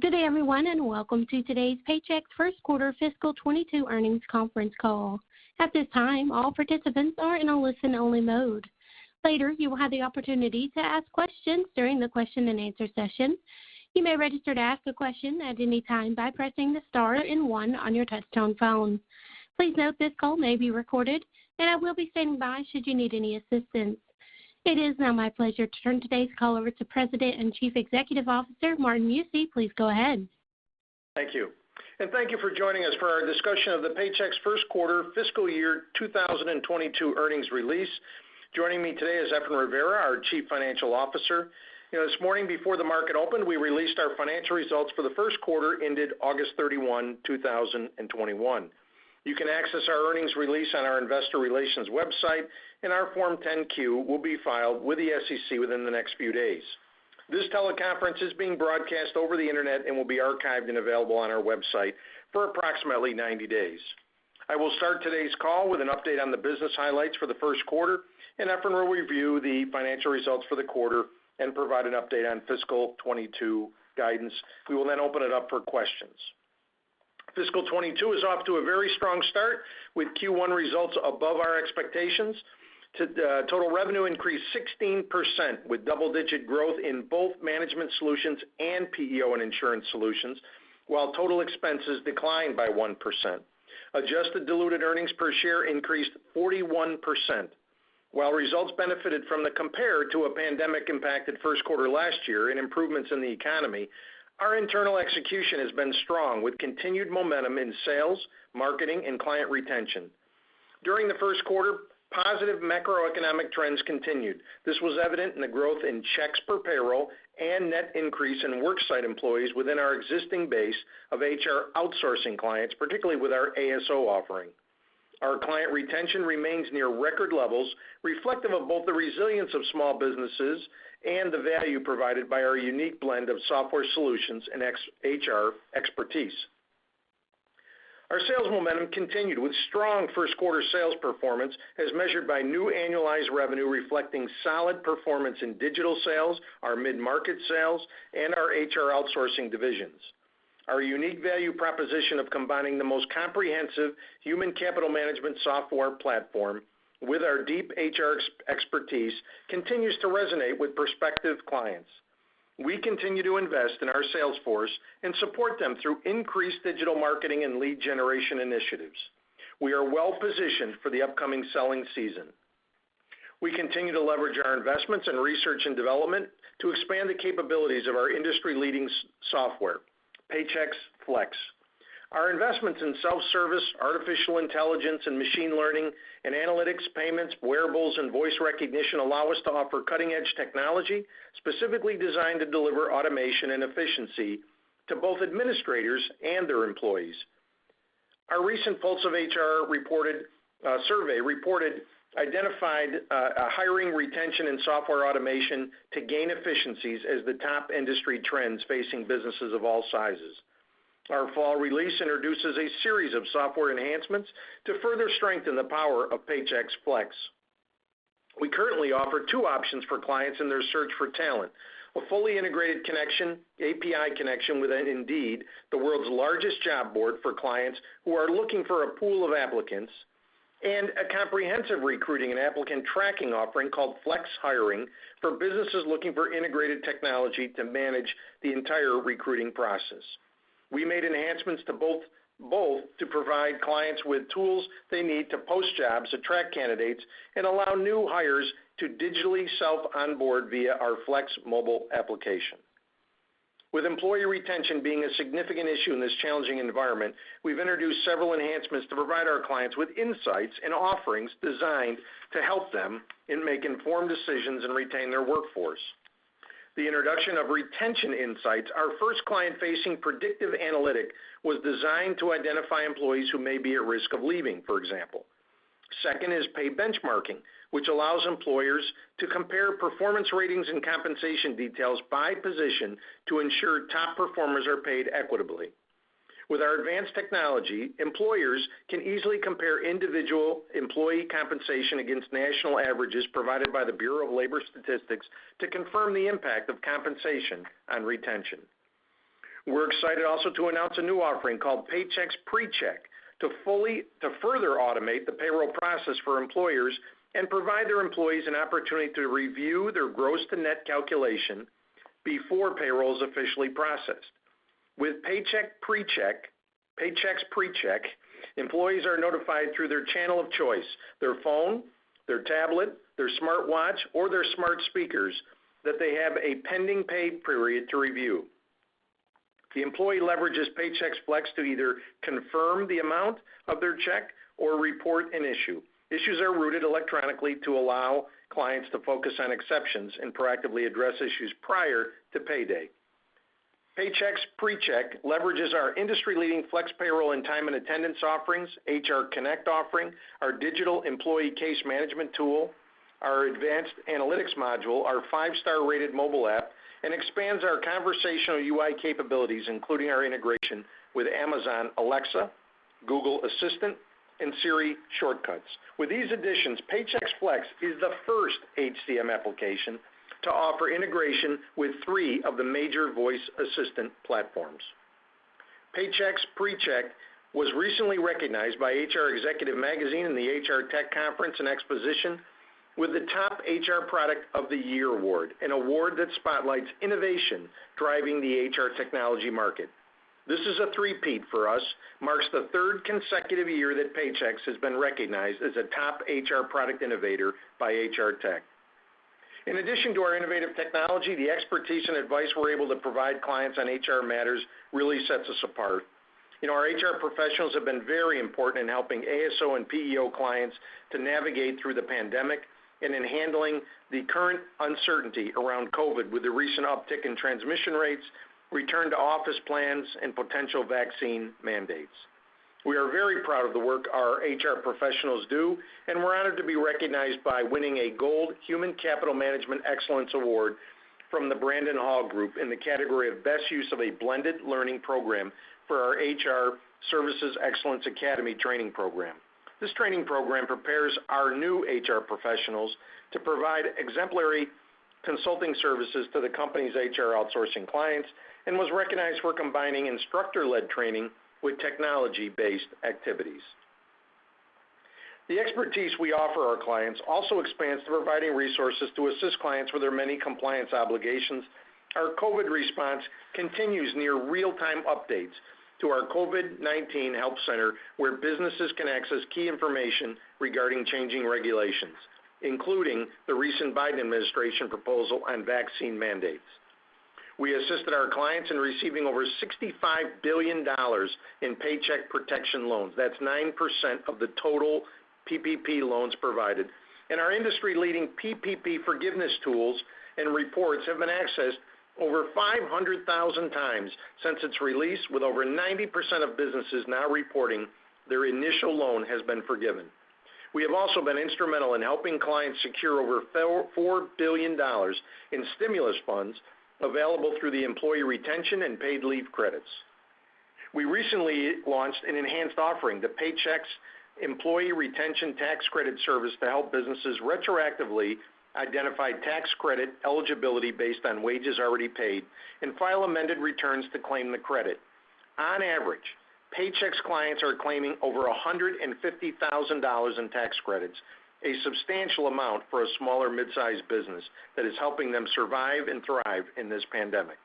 Good day, everyone, and welcome to today's Paychex first quarter fiscal 2022 earnings conference call. All participants are in a listen only mode. Later, you will have the opportunity to ask questions during the question and answer session. You may register to ask a question at any time by pressing the star and one on your touchtone phone. Please note this call may be recorded, and I will be standing by should you need any assistance. It is now my pleasure to turn today's call over to President and Chief Executive Officer, Martin Mucci. Please go ahead. Thank you. Thank you for joining us for our discussion of the Paychex first quarter fiscal year 2022 earnings release. Joining me today is Efrain Rivera, our Chief Financial Officer. This morning before the market opened, we released our financial results for the first quarter ended August 31, 2021. You can access our earnings release on our investor relations website. Our Form 10-Q will be filed with the SEC within the next few days. This teleconference is being broadcast over the internet and will be archived and available on our website for approximately 90 days. I will start today's call with an update on the business highlights for the first quarter. Efrain will review the financial results for the quarter and provide an update on fiscal 2022 guidance. We will then open it up for questions. Fiscal 2022 is off to a very strong start with Q1 results above our expectations. Total revenue increased 16%, with double-digit growth in both Management Solutions and PEO and Insurance solutions, while total expenses declined by 1%. Adjusted diluted earnings per share increased 41%. While results benefited from the compare to a pandemic-impacted first quarter last year and improvements in the economy, our internal execution has been strong, with continued momentum in sales, marketing, and client retention. During the first quarter, positive macroeconomic trends continued. This was evident in the growth in checks per payroll and net increase in worksite employees within our existing base of HR outsourcing clients, particularly with our ASO offering. Our client retention remains near record levels, reflective of both the resilience of small businesses and the value provided by our unique blend of software solutions and HR expertise. Our sales momentum continued with strong first quarter sales performance as measured by new annualized revenue, reflecting solid performance in digital sales, our mid-market sales, and our HR outsourcing divisions. Our unique value proposition of combining the most comprehensive human capital management software platform with our deep HR expertise continues to resonate with prospective clients. We continue to invest in our sales force and support them through increased digital marketing and lead generation initiatives. We are well-positioned for the upcoming selling season. We continue to leverage our investments in research and development to expand the capabilities of our industry-leading software, Paychex Flex. Our investments in self-service, artificial intelligence, and machine learning and analytics, payments, wearables, and voice recognition allow us to offer cutting-edge technology specifically designed to deliver automation and efficiency to both administrators and their employees. Our recent Pulse of HR survey reported identified hiring, retention, and software automation to gain efficiencies as the top industry trends facing businesses of all sizes. Our fall release introduces a series of software enhancements to further strengthen the power of Paychex Flex. We currently offer two options for clients in their search for talent, a fully integrated connection, API connection with Indeed, the world's largest job board for clients who are looking for a pool of applicants, and a comprehensive recruiting and applicant tracking offering called Flex Hiring for businesses looking for integrated technology to manage the entire recruiting process. We made enhancements to both to provide clients with tools they need to post jobs, attract candidates, and allow new hires to digitally self onboard via our Flex mobile application. With employee retention being a significant issue in this challenging environment, we've introduced several enhancements to provide our clients with insights and offerings designed to help them and make informed decisions and retain their workforce. The introduction of Paychex Retention Insights, our first client-facing predictive analytic, was designed to identify employees who may be at risk of leaving, for example. Second is pay benchmarking, which allows employers to compare performance ratings and compensation details by position to ensure top performers are paid equitably. With our advanced technology, employers can easily compare individual employee compensation against national averages provided by the Bureau of Labor Statistics to confirm the impact of compensation on retention. We're excited also to announce a new offering called Paychex Pre-Check to further automate the payroll process for employers and provide their employees an opportunity to review their gross to net calculation before payroll is officially processed. With Paychex Pre-Check, employees are notified through their channel of choice, their phone, their tablet, their smartwatch, or their smart speakers, that they have a pending pay period to review. The employee leverages Paychex Flex to either confirm the amount of their check or report an issue. Issues are routed electronically to allow clients to focus on exceptions and proactively address issues prior to payday. Paychex Pre-Check leverages our industry-leading Flex Payroll and time and attendance offerings, HR Connect offering, our digital employee case management tool, our advanced analytics module, our five-star rated mobile app, and expands our conversational UI capabilities, including our integration with Amazon Alexa, Google Assistant, and Siri Shortcuts. With these additions, Paychex Flex is the first HCM application to offer integration with three of the major voice assistant platforms. Paychex Pre-Check was recently recognized by Human Resource Executive magazine and the HR Technology Conference & Exposition with the Top HR Product of the Year Award, an award that spotlights innovation driving the HR technology market. This is a three peat for us, marks the third consecutive year that Paychex has been recognized as a top HR product innovator by HR Tech. In addition to our innovative technology, the expertise and advice we're able to provide clients on HR matters really sets us apart. Our HR professionals have been very important in helping ASO and PEO clients to navigate through the pandemic and in handling the current uncertainty around COVID, with the recent uptick in transmission rates, return-to-office plans, and potential vaccine mandates. We are very proud of the work our HR professionals do, and we're honored to be recognized by winning a Gold Human Capital Management Excellence Award from the Brandon Hall Group in the category of Best Use of a Blended Learning Program for our HR Services Excellence Academy training program. This training program prepares our new HR professionals to provide exemplary consulting services to the company's HR outsourcing clients and was recognized for combining instructor-led training with technology-based activities. The expertise we offer our clients also expands to providing resources to assist clients with their many compliance obligations. Our COVID response continues near real-time updates to our COVID-19 help center, where businesses can access key information regarding changing regulations, including the recent Biden administration proposal on vaccine mandates. We assisted our clients in receiving over $65 billion in Paycheck Protection loans. That's 9% of the total PPP loans provided. Our industry-leading PPP forgiveness tools and reports have been accessed over 500,000 times since its release, with over 90% of businesses now reporting their initial loan has been forgiven. We have also been instrumental in helping clients secure over $4 billion in stimulus funds available through the Employee Retention and Paid Leave Credits. We recently launched an enhanced offering, the Paychex Employee Retention Tax Credit service, to help businesses retroactively identify tax credit eligibility based on wages already paid and file amended returns to claim the credit. On average, Paychex clients are claiming over $150,000 in tax credits, a substantial amount for a small or mid-sized business that is helping them survive and thrive in this pandemic.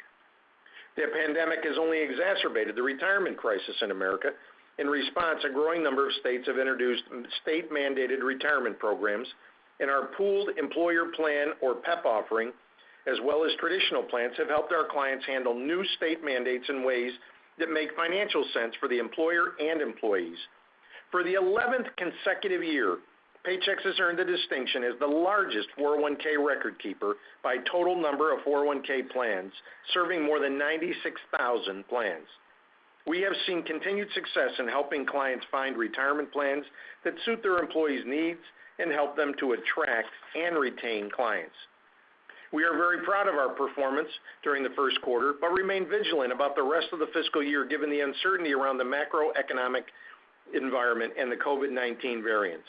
The pandemic has only exacerbated the retirement crisis in America. In response, a growing number of states have introduced state-mandated retirement programs, and our pooled employer plan or PEP offering, as well as traditional plans, have helped our clients handle new state mandates in ways that make financial sense for the employer and employees. For the 11th consecutive year, Paychex has earned the distinction as the largest 401(k) record keeper by total number of 401(k) plans, serving more than 96,000 plans. We have seen continued success in helping clients find retirement plans that suit their employees' needs and help them to attract and retain clients. We are very proud of our performance during the first quarter, but remain vigilant about the rest of the fiscal year given the uncertainty around the macroeconomic environment and the COVID-19 variants.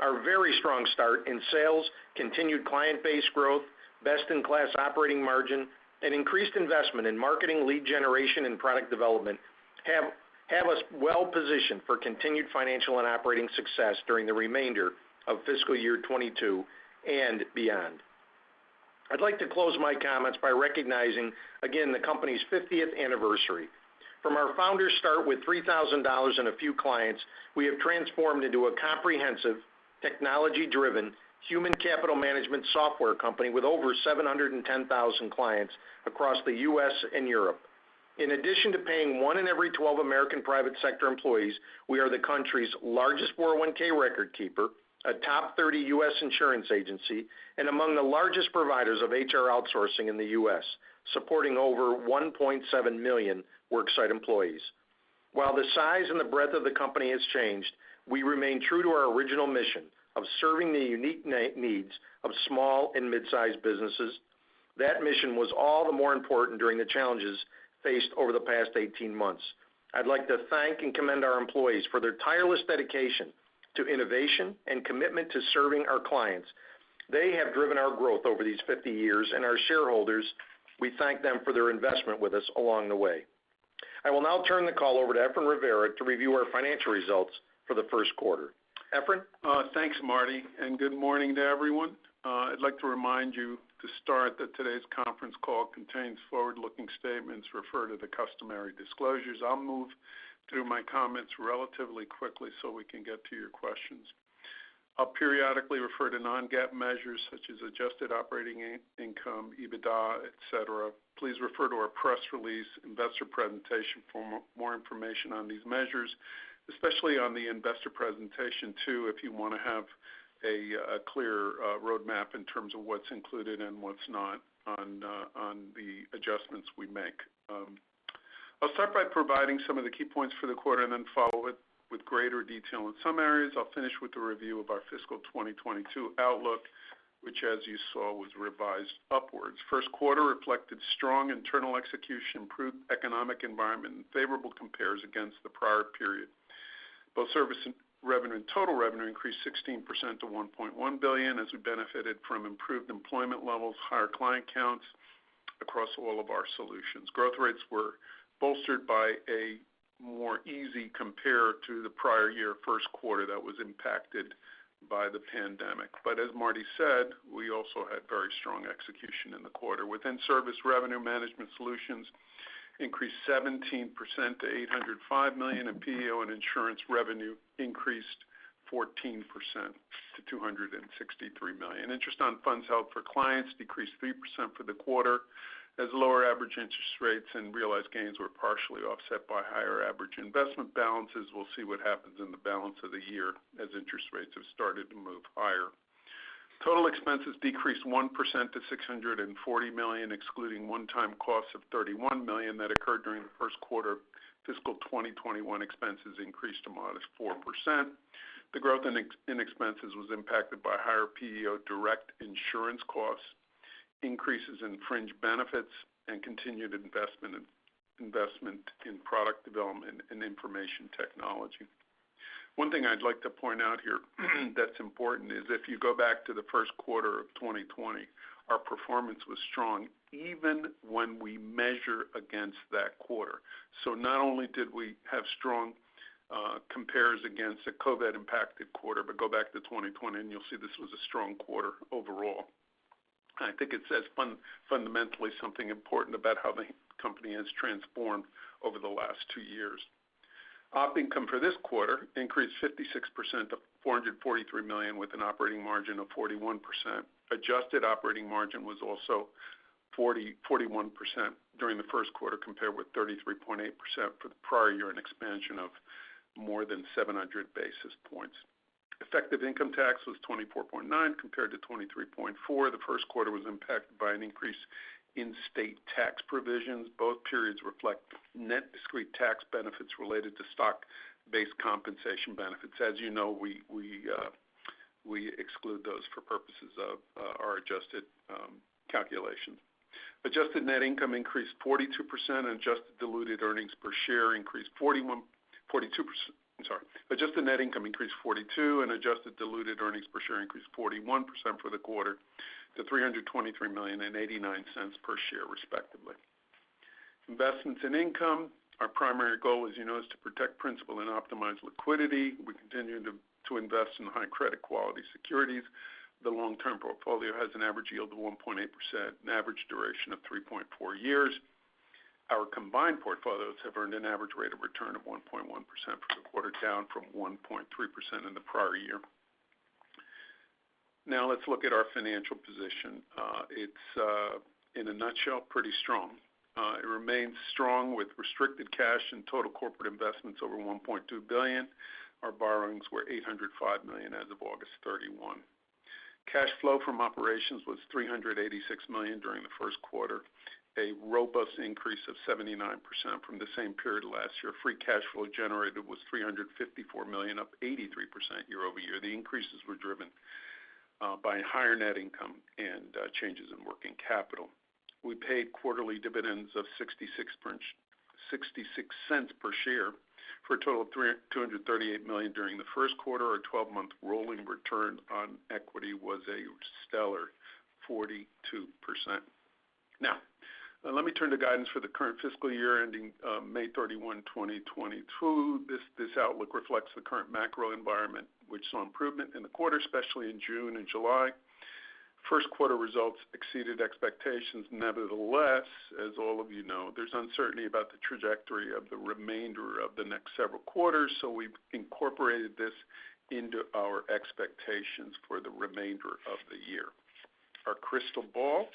Our very strong start in sales, continued client base growth, best-in-class operating margin, and increased investment in marketing lead generation and product development have us well-positioned for continued financial and operating success during the remainder of fiscal year 2022 and beyond. I'd like to close my comments by recognizing, again, the company's 50th anniversary. From our founder's start with $3,000 and a few clients, we have transformed into a comprehensive, technology-driven, human capital management software company with over 710,000 clients across the U.S. and Europe. In addition to paying one in every 12 American private sector employees, we are the country's largest 401(k) record keeper, a top 30 U.S. insurance agency, and among the largest providers of HR outsourcing in the U.S., supporting over 1.7 million worksite employees. While the size and the breadth of the company has changed, we remain true to our original mission of serving the unique needs of small and mid-sized businesses. That mission was all the more important during the challenges faced over the past 18 months. I'd like to thank and commend our employees for their tireless dedication to innovation and commitment to serving our clients. They have driven our growth over these 50 years. Our shareholders, we thank them for their investment with us along the way. I will now turn the call over to Efrain Rivera to review our financial results for the first quarter. Efrain? Thanks, Marty, good morning to everyone. I'd like to remind you to start that today's conference call contains forward-looking statements. Refer to the customary disclosures. I'll move through my comments relatively quickly so we can get to your questions. I'll periodically refer to non-GAAP measures such as adjusted operating income, EBITDA, et cetera. Please refer to our press release investor presentation for more information on these measures, especially on the investor presentation, too, if you want to have a clear roadmap in terms of what's included and what's not on the adjustments we make. I'll start by providing some of the key points for the quarter, then follow it with greater detail in some areas. I'll finish with a review of our fiscal 2022 outlook, which, as you saw, was revised upwards. First quarter reflected strong internal execution, improved economic environment, and favorable compares against the prior period. Both service revenue and total revenue increased 16% to $1.1 billion, as we benefited from improved employment levels, higher client counts across all of our solutions. Growth rates were bolstered by a more easy compare to the prior year first quarter that was impacted by the pandemic. As Marty said, we also had very strong execution in the quarter. Within service revenue, Management Solutions increased 17% to $805 million, and PEO and insurance revenue increased 14% to $263 million. Interest on funds held for clients decreased 3% for the quarter, as lower average interest rates and realized gains were partially offset by higher average investment balances. We'll see what happens in the balance of the year as interest rates have started to move higher. Total expenses decreased 1% to $640 million, excluding one-time costs of $31 million that occurred during the first quarter of fiscal 2021, expenses increased a modest 4%. The growth in expenses was impacted by higher PEO direct insurance costs, increases in fringe benefits, and continued investment in product development and information technology. One thing I'd like to point out here that's important is if you go back to the first quarter of 2020, our performance was strong even when we measure against that quarter. Not only did we have strong compares against a COVID impacted quarter, but go back to 2020 and you'll see this was a strong quarter overall. I think it says fundamentally something important about how the company has transformed over the last two years. Op income for this quarter increased 56% to $443 million with an operating margin of 41%. Adjusted operating margin was also 41% during the first quarter, compared with 33.8% for the prior year, an expansion of more than 700 basis points. Effective income tax was 24.9% compared to 23.4%. The first quarter was impacted by an increase in state tax provisions. Both periods reflect net discrete tax benefits related to stock-based compensation benefits. As you know, we exclude those for purposes of our adjusted calculations. Adjusted net income increased 42%, and adjusted diluted earnings per share increased 41%. Adjusted net income increased 42%, and adjusted diluted earnings per share increased 41% for the quarter to $323 million and $0.89 per share, respectively. Investments in income. Our primary goal, as you know, is to protect principal and optimize liquidity. We continue to invest in high credit quality securities. The long-term portfolio has an average yield of 1.8% and an average duration of 3.4 years. Our combined portfolios have earned an average rate of return of 1.1% for the quarter, down from 1.3% in the prior year. Let's look at our financial position. It's, in a nutshell, pretty strong. It remains strong with restricted cash and total corporate investments over $1.2 billion. Our borrowings were $805 million as of August 31. Cash flow from operations was $386 million during the first quarter, a robust increase of 79% from the same period last year. Free cash flow generated was $354 million, up 83% year-over-year. The increases were driven by higher net income and changes in working capital. We paid quarterly dividends of $0.66 per share for a total of $238 million during the first quarter. Our 12-month rolling return on equity was a stellar 42%. Let me turn to guidance for the current fiscal year ending May 31, 2022. This outlook reflects the current macro environment, which saw improvement in the quarter, especially in June and July. First quarter results exceeded expectations. As all of you know, there's uncertainty about the trajectory of the remainder of the next several quarters, we've incorporated this into our expectations for the remainder of the year. Our crystal ball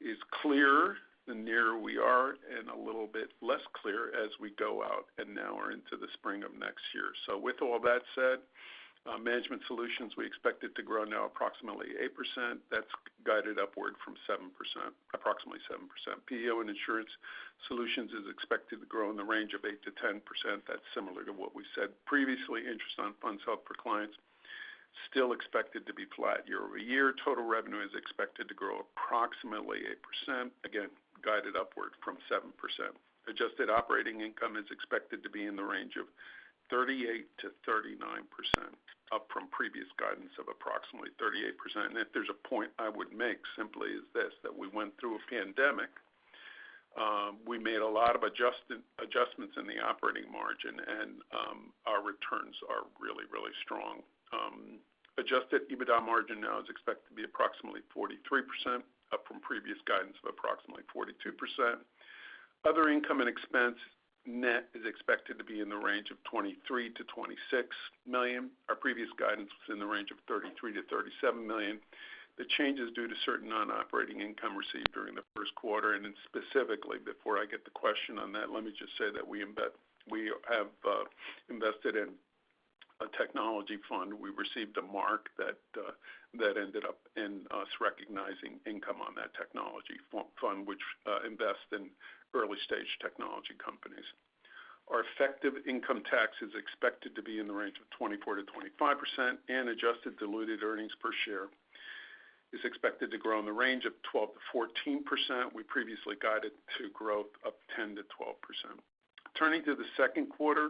is clearer the nearer we are and a little bit less clear as we go out and now are into the spring of next year. With all that said, Management Solutions, we expect it to grow now approximately 8%. That's guided upward from approximately 7%. PEO & Insurance Solutions is expected to grow in the range of 8%-10%. That's similar to what we said previously. Interest on funds held for clients, still expected to be flat year-over-year. Total revenue is expected to grow approximately 8%, again guided upward from 7%. Adjusted operating income is expected to be in the range of 38%-39%, up from previous guidance of approximately 38%. If there's a point I would make simply is this, that we went through a pandemic. We made a lot of adjustments in the operating margin, and our returns are really, really strong. Adjusted EBITDA margin now is expected to be approximately 43%, up from previous guidance of approximately 42%. Other income and expense net is expected to be in the range of $23 million-$26 million. Our previous guidance was in the range of $33 million-$37 million. The change is due to certain non-operating income received during the first quarter, and then specifically, before I get the question on that, let me just say that we have invested in a technology fund. We received a mark that ended up in us recognizing income on that technology fund, which invests in early-stage technology companies. Our effective income tax is expected to be in the range of 24%-25%, and adjusted diluted earnings per share is expected to grow in the range of 12%-14%. We previously guided to growth of 10%-12%. Turning to the second quarter,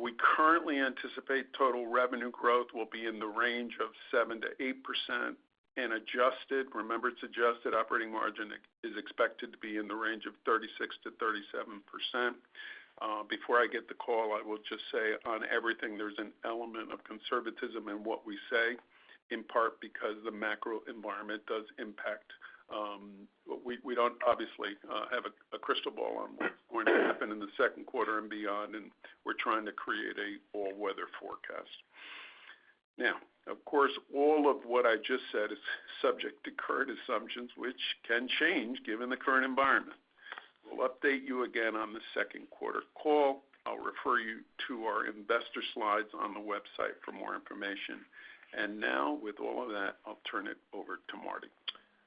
we currently anticipate total revenue growth will be in the range of 7%-8% and adjusted operating margin is expected to be in the range of 36%-37%. Before I get the call, I will just say on everything, there's an element of conservatism in what we say, in part because the macro environment does impact. We don't obviously have a crystal ball on what's going to happen in the second quarter and beyond, we're trying to create an all-weather forecast. Now, of course, all of what I just said is subject to current assumptions, which can change given the current environment. We'll update you again on the second quarter call. I'll refer you to our investor slides on the website for more information. Now, with all of that, I'll turn it over to Marty.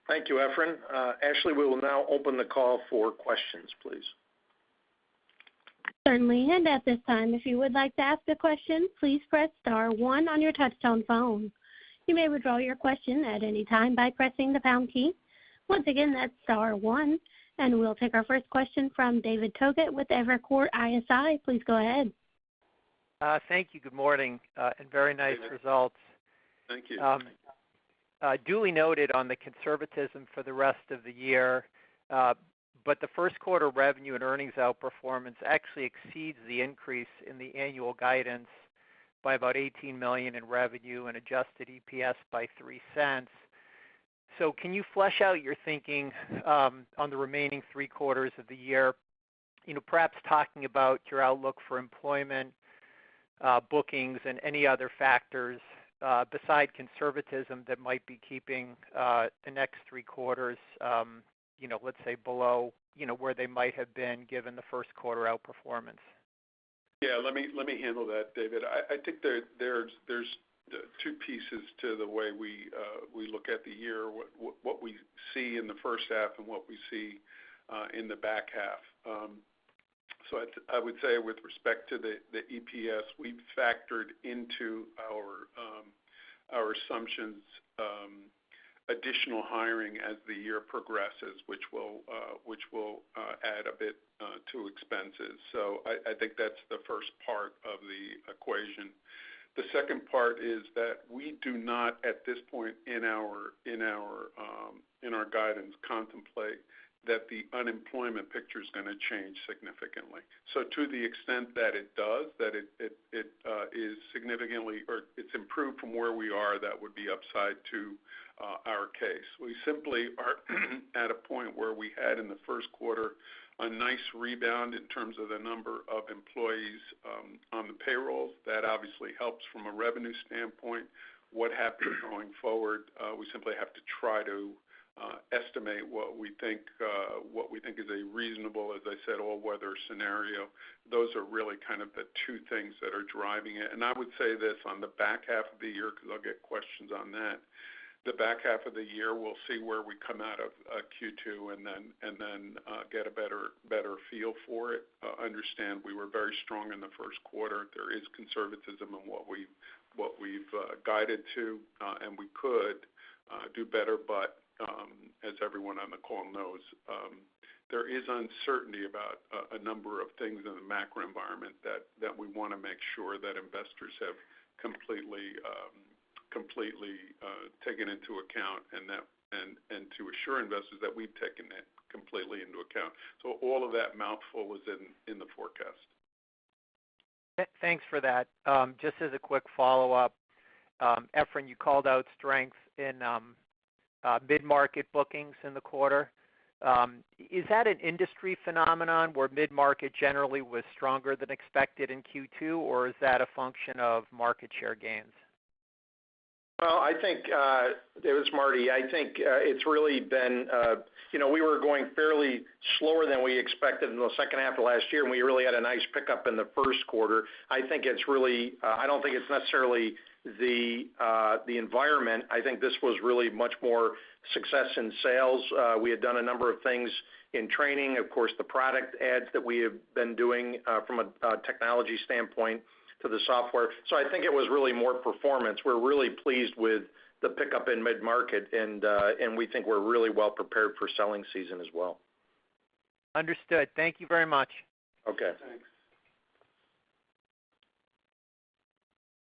Thank you, Efrain. Ashley, we will now open the call for questions, please. Certainly. At this time, if you would like to ask a question, please press star one on your touchtone phone. You may withdraw your question at any time by pressing the pound key. Once again, that's star one. We'll take our first question from David Togut with Evercore ISI. Please go ahead. Thank you. Good morning, and very nice results. Thank you. Duly noted on the conservatism for the rest of the year. The first quarter revenue and earnings outperformance actually exceeds the increase in the annual guidance by about $18 million in revenue and adjusted EPS by $0.03. Can you flesh out your thinking on the remaining three quarters of the year? Perhaps talking about your outlook for employment, bookings, and any other factors besides conservatism that might be keeping the next three quarters, let's say below, where they might have been given the first quarter outperformance. Yeah, let me handle that, David. I think there's two pieces to the way we look at the year, what we see in the first half and what we see in the back half. I would say with respect to the EPS, we've factored into our assumptions additional hiring as the year progresses, which will add a bit to expenses. I think that's the first part of the equation. The second part is that we do not, at this point in our guidance, contemplate that the unemployment picture is going to change significantly. To the extent that it does, that it is significantly or it's improved from where we are, that would be upside to our case. We simply are at a point where we had in the first quarter a nice rebound in terms of the number of employees on the payroll. That obviously helps from a revenue standpoint. What happens going forward, we simply have to try to estimate what we think is a reasonable, as I said, all-weather scenario. Those are really kind of the two things that are driving it. I would say this on the back half of the year, because I'll get questions on that. The back half of the year, we'll see where we come out of Q2 and then get a better feel for it. Understand, we were very strong in the first quarter. There is conservatism in what we've guided to, and we could do better. As everyone on the call knows, there is uncertainty about a number of things in the macro environment that we want to make sure that investors have completely taken into account, and to assure investors that we've taken it completely into account. All of that mouthful was in the forecast. Thanks for that. Just as a quick follow-up, Efrain, you called out strength in mid-market bookings in the quarter. Is that an industry phenomenon where mid-market generally was stronger than expected in Q2, or is that a function of market share gains? Well, this is Marty. I think we were going fairly slower than we expected in the second half of last year, and we really had a nice pickup in the first quarter. I don't think it's necessarily the environment. I think this was really much more success in sales. We had done a number of things in training, of course, the product ads that we have been doing from a technology standpoint to the software. I think it was really more performance. We're really pleased with the pickup in mid-market, and we think we're really well prepared for selling season as well. Understood. Thank you very much. Okay. Thanks.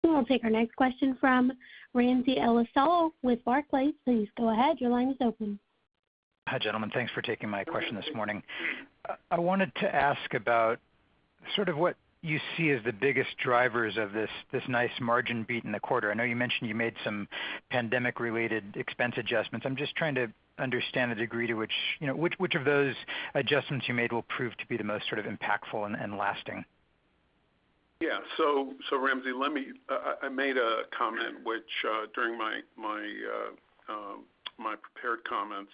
We'll take our next question from Ramsey El-Assal with Barclays. Please go ahead. Hi, gentlemen. Thanks for taking my question this morning. I wanted to ask about sort of what you see as the biggest drivers of this nice margin beat in the quarter. I know you mentioned you made some pandemic-related expense adjustments. I'm just trying to understand the degree to which of those adjustments you made will prove to be the most sort of impactful and lasting. Yeah. Ramsey, I made a comment during my prepared comments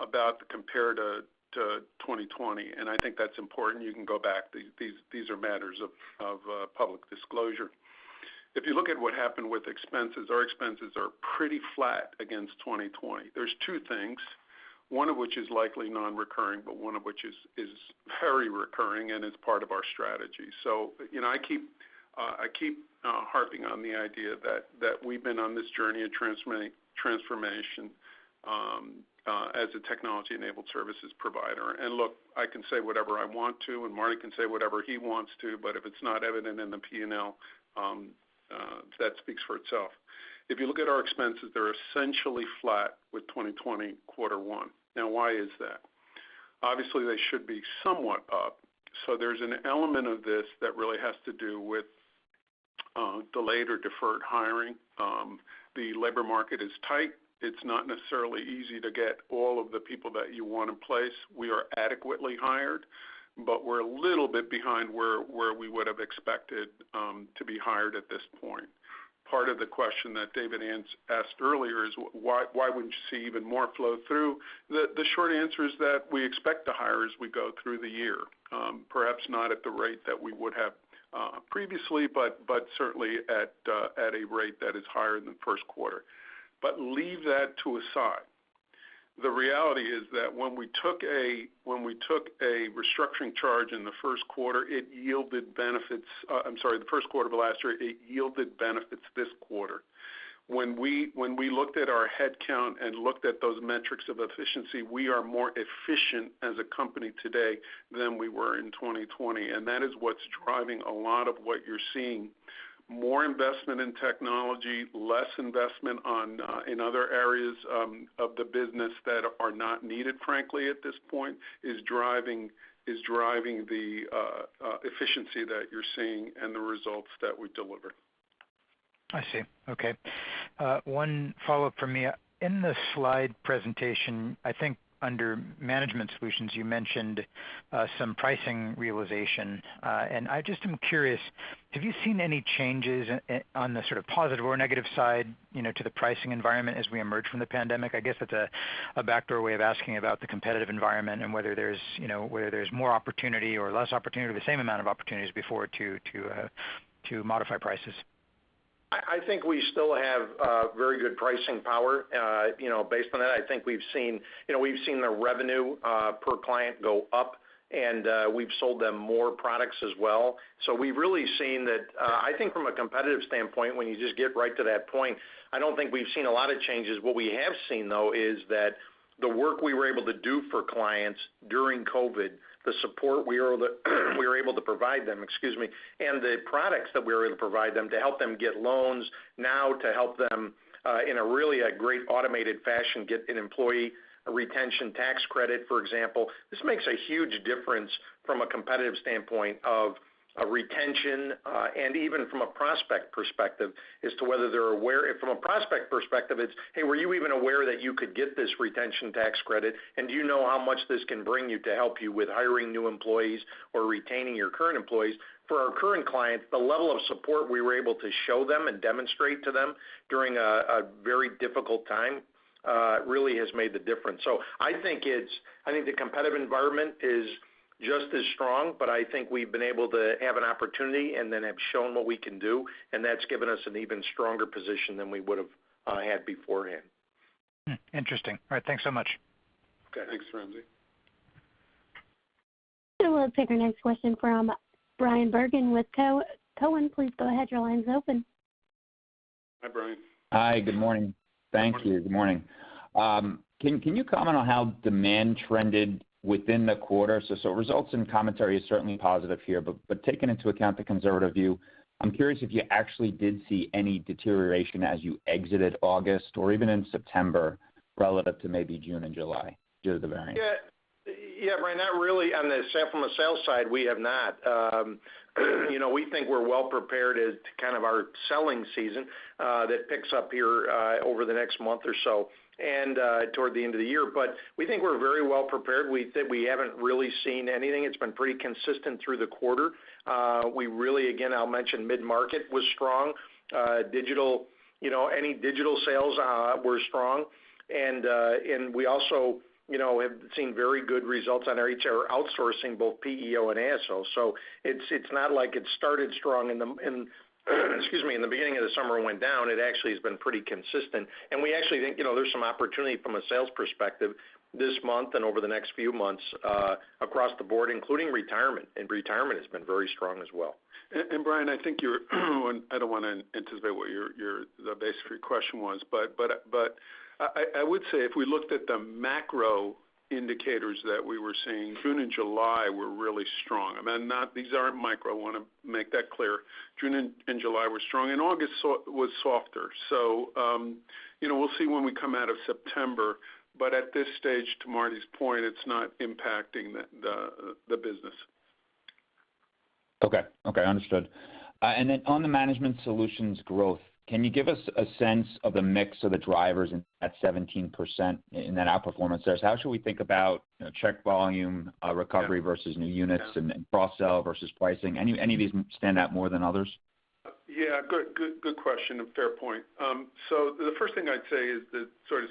about the compare to 2020, and I think that's important. You can go back. These are matters of public disclosure. If you look at what happened with expenses, our expenses are pretty flat against 2020. There's two things, one of which is likely non-recurring, but one of which is very recurring and is part of our strategy. I keep harping on the idea that we've been on this journey of transformation as a technology-enabled services provider. Look, I can say whatever I want to, and Marty can say whatever he wants to, but if it's not evident in the P&L, that speaks for itself. If you look at our expenses, they're essentially flat with 2020 quarter one. Now, why is that? Obviously, they should be somewhat up. There's an element of this that really has to do with delayed or deferred hiring. The labor market is tight. It's not necessarily easy to get all of the people that you want in place. We are adequately hired, but we're a little bit behind where we would've expected to be hired at this point. Part of the question that David asked earlier is why wouldn't you see even more flow through? The short answer is that we expect to hire as we go through the year. Perhaps not at the rate that we would have previously, but certainly at a rate that is higher than the first quarter. Leave that to a side. The reality is that when we took a restructuring charge in the first quarter of last year, it yielded benefits this quarter. When we looked at our headcount and looked at those metrics of efficiency, we are more efficient as a company today than we were in 2020, and that is what's driving a lot of what you're seeing. More investment in technology, less investment in other areas of the business that are not needed, frankly, at this point, is driving the efficiency that you're seeing and the results that we deliver. I see. Okay. One follow-up from me. In the slide presentation, I think under Management Solutions, you mentioned some pricing realization. And I just am curious, have you seen any changes on the sort of positive or negative side to the pricing environment as we emerge from the pandemic? I guess it's a backdoor way of asking about the competitive environment and whether there's more opportunity or less opportunity or the same amount of opportunity as before to modify prices. I think we still have very good pricing power. Based on that, I think we've seen the revenue per client go up, and we've sold them more products as well. We've really seen that, I think from a competitive standpoint, when you just get right to that point, I don't think we've seen a lot of changes. What we have seen, though, is that the work we were able to do for clients during COVID-19, the support we were able to provide them, and the products that we were able to provide them to help them get loans, now to help them in a really great automated fashion, get an Employee Retention Tax Credit, for example. This makes a huge difference from a competitive standpoint of retention, and even from a prospect perspective. From a prospect perspective, it's, "Hey, were you even aware that you could get this Employee Retention Tax Credit? Do you know how much this can bring you to help you with hiring new employees or retaining your current employees?" For our current clients, the level of support we were able to show them and demonstrate to them during a very difficult time really has made the difference. I think the competitive environment is just as strong, but I think we've been able to have an opportunity and then have shown what we can do, and that's given us an even stronger position than we would've had beforehand. Interesting. All right. Thanks so much. Okay. Thanks, Ramsey. We'll take our next question from Bryan Bergin with Cowen. Please go ahead, your line is open. Hi, Bryan. Hi. Good morning. Thank you. Good morning. Can you comment on how demand trended within the quarter? Results and commentary is certainly positive here, but taking into account the conservative view, I'm curious if you actually did see any deterioration as you exited August or even in September relative to maybe June and July. Yeah, Bryan, not really, except from the sales side, we have not. We think we're well prepared as to kind of our selling season that picks up here over the next month or so and toward the end of the year. We think we're very well prepared. We haven't really seen anything. It's been pretty consistent through the quarter. We really, again, I'll mention mid-market was strong. Any digital sales were strong, and we also have seen very good results on our HR outsourcing, both PEO and ASO. It's not like it started strong and in the beginning of the summer went down. It actually has been pretty consistent, and we actually think there's some opportunity from a sales perspective this month and over the next few months across the board, including retirement, and retirement has been very strong as well. Bryan, I don't want to anticipate what the base of your question was, but I would say if we looked at the macro indicators that we were seeing, June and July were really strong. These aren't micro, I want to make that clear. June and July were strong, and August was softer. We'll see when we come out of September. At this stage, to Marty's point, it's not impacting the business. Okay. Understood. Then on the Management Solutions growth, can you give us a sense of the mix of the drivers at 17% in that outperformance there? How should we think about check volume recovery versus new units and cross-sell versus pricing? Any of these stand out more than others? Good question and fair point. The first thing I'd say is to sort of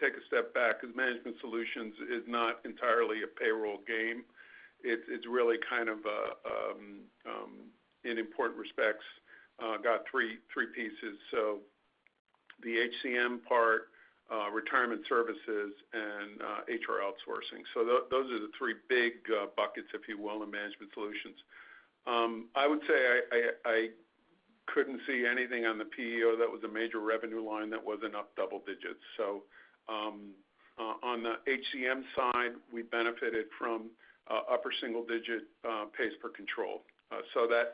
take a step back, because Management Solutions is not entirely a payroll game. It's really in important respects, got three pieces. The HCM part, Retirement Services, and HR outsourcing. Those are the three big buckets, if you will, in Management Solutions. I would say I couldn't see anything on the PEO that was a major revenue line that wasn't up double digits. On the HCM side, we benefited from upper single-digit pays per control.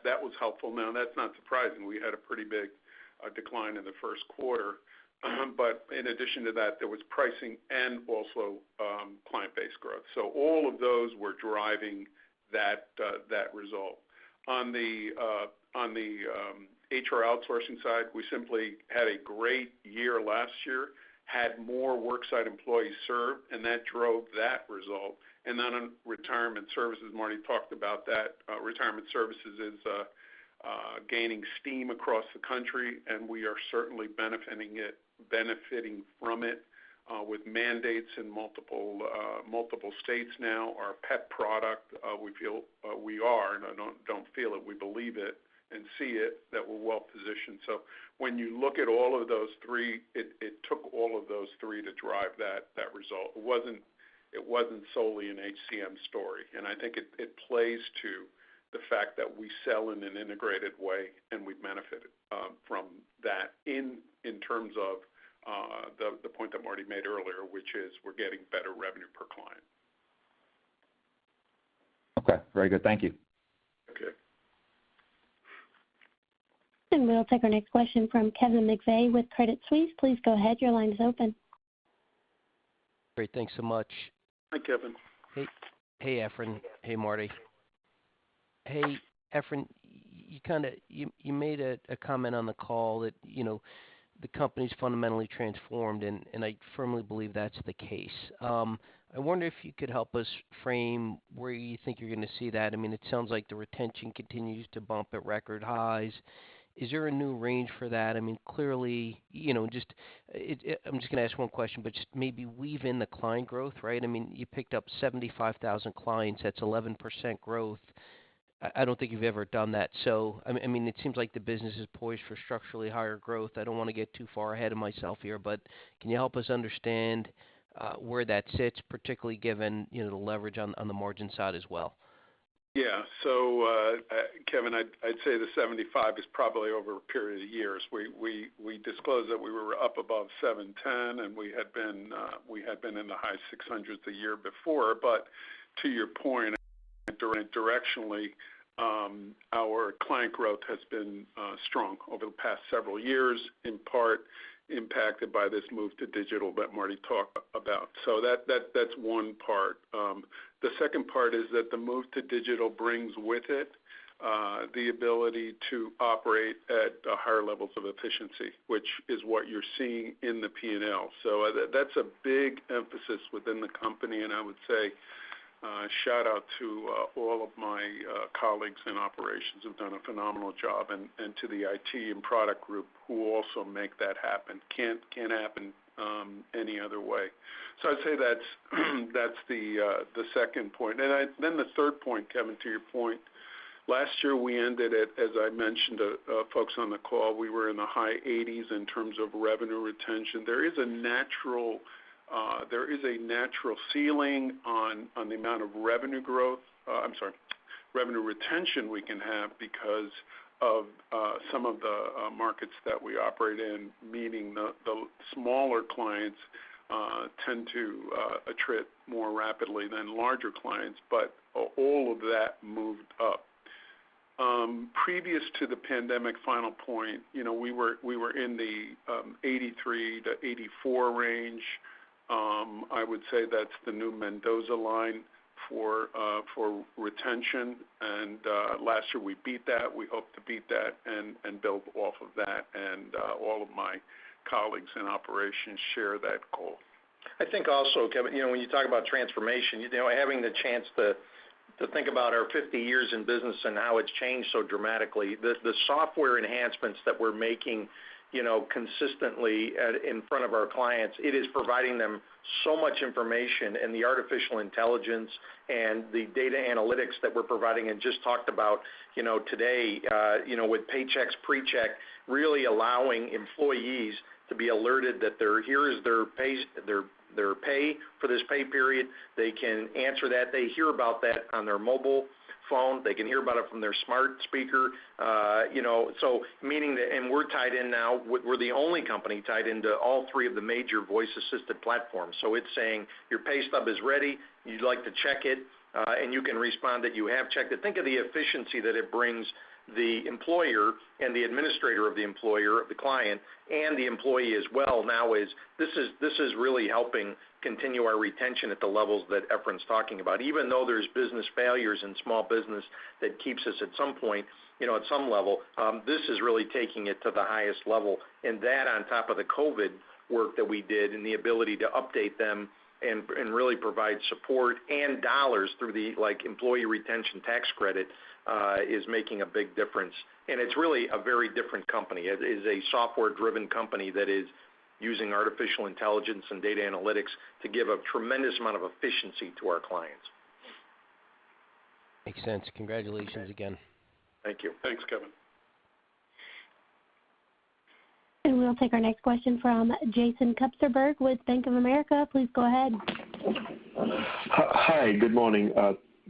That was helpful. Now, that's not surprising. We had a pretty big decline in the first quarter. In addition to that, there was pricing and also client base growth. All of those were driving that result. On the HR outsourcing side, we simply had a great year last year, had more work site employees served, that drove that result. On Retirement Services, Marty talked about that. Retirement Services is gaining steam across the country, and we are certainly benefiting from it, with mandates in multiple states now. Our PEP product, we feel we are, and I don't feel it, we believe it and see it, that we're well-positioned. When you look at all of those three, it took all of those three to drive that result. It wasn't solely an HCM story. I think it plays to the fact that we sell in an integrated way, and we've benefited from that in terms of the point that Marty made earlier, which is we're getting better revenue per client. Okay. Very good. Thank you. Okay. We'll take our next question from Kevin McVeigh with Credit Suisse. Please go ahead. Your line is open. Great. Thanks so much. Hi, Kevin. Hey, Efrain. Hey, Marty. Hey, Efrain, you made a comment on the call that the company's fundamentally transformed, and I firmly believe that's the case. I wonder if you could help us frame where you think you're going to see that. It sounds like the retention continues to bump at record highs. Is there a new range for that? I'm just going to ask one question, but just maybe weave in the client growth, right? You picked up 75,000 clients. That's 11% growth. I don't think you've ever done that. It seems like the business is poised for structurally higher growth. I don't want to get too far ahead of myself here, but can you help us understand where that sits, particularly given the leverage on the margin side as well? Kevin, I'd say the 75 is probably over a period of years. We disclosed that we were up above 710, and we had been in the high 600 a year before. To your point, directionally, our client growth has been strong over the past several years, in part impacted by this move to digital that Marty talked about. That's one part. The second part is that the move to digital brings with it the ability to operate at higher levels of efficiency, which is what you're seeing in the P&L. That's a big emphasis within the company, and I would say, shout out to all of my colleagues in operations who've done a phenomenal job and to the IT and product group who also make that happen. Can't happen any other way. I'd say that's the second point. The third point, Kevin, to your point, last year we ended at, as I mentioned, folks on the call, we were in the high 80s% in terms of revenue retention. There is a natural ceiling on the amount of revenue growth I'm sorry, revenue retention we can have because of some of the markets that we operate in, meaning the smaller clients tend to attrit more rapidly than larger clients. All of that moved up. Previous to the pandemic, final point, we were in the 83%-84% range. I would say that's the new Mendoza line for retention, and last year we beat that. We hope to beat that and build off of that. All of my colleagues in operations share that goal. I think also, Kevin, when you talk about transformation, having the chance to think about our 50 years in business and how it's changed so dramatically, the software enhancements that we're making consistently in front of our clients, it is providing them so much information, and the artificial intelligence and the data analytics that we're providing and just talked about today, with Paychex Pre-Check, really allowing employees to be alerted that here is their pay for this pay period. They can answer that. They hear about that on their mobile phone. They can hear about it from their smart speaker. We're tied in now. We're the only company tied into all three of the major voice-assisted platforms. It's saying, "Your pay stub is ready. You'd like to check it," and you can respond that you have checked it. Think of the efficiency that it brings the employer and the administrator of the employer, the client, and the employee as well now this is really helping continue our retention at the levels that Efrain's talking about. Even though there's business failures in small business that keeps us at some point, at some level, this is really taking it to the highest level, and that on top of the COVID work that we did and the ability to update them and really provide support and dollars through the Employee Retention Tax Credit, is making a big difference, and it's really a very different company. It is a software-driven company that is using artificial intelligence and data analytics to give a tremendous amount of efficiency to our clients. Makes sense. Congratulations again. Thank you. Thanks, Kevin. We'll take our next question from Jason Kupferberg with Bank of America. Please go ahead. Hi, good morning.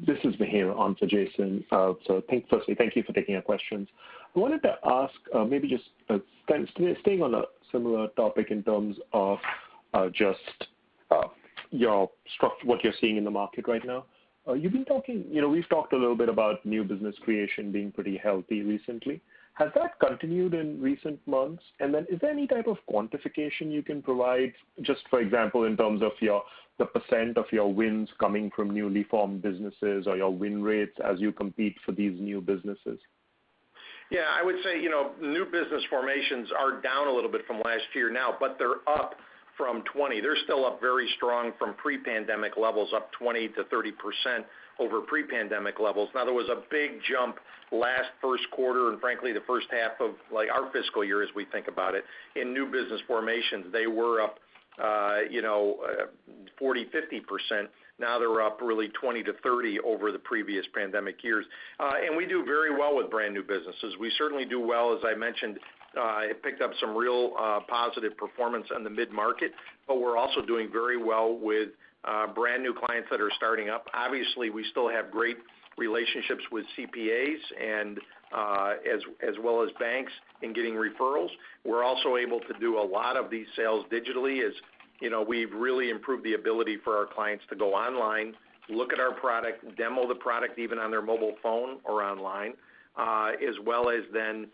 This is Mihir on to Jason. Firstly, thank you for taking our questions. I wanted to ask, maybe just staying on a similar topic in terms of just what you're seeing in the market right now. We've talked a little bit about new business creation being pretty healthy recently. Has that continued in recent months? Is there any type of quantification you can provide, just for example, in terms of the % of your wins coming from newly formed businesses or your win rates as you compete for these new businesses? Yeah, I would say, new business formations are down a little bit from last year now, but they're up from 2020. They're still up very strong from pre-pandemic levels, up 20%-30% over pre-pandemic levels. Now, there was a big jump last first quarter, and frankly, the first half of our fiscal year as we think about it, in new business formations. They were up 40%, 50%. Now they're up really 20%-30% over the previous pandemic years. We do very well with brand-new businesses. We certainly do well, as I mentioned, it picked up some real positive performance on the mid-market, but we're also doing very well with brand new clients that are starting up. Obviously, we still have great relationships with CPAs and as well as banks in getting referrals. We're also able to do a lot of these sales digitally, as we've really improved the ability for our clients to go online, look at our product, demo the product even on their mobile phone or online, as well as then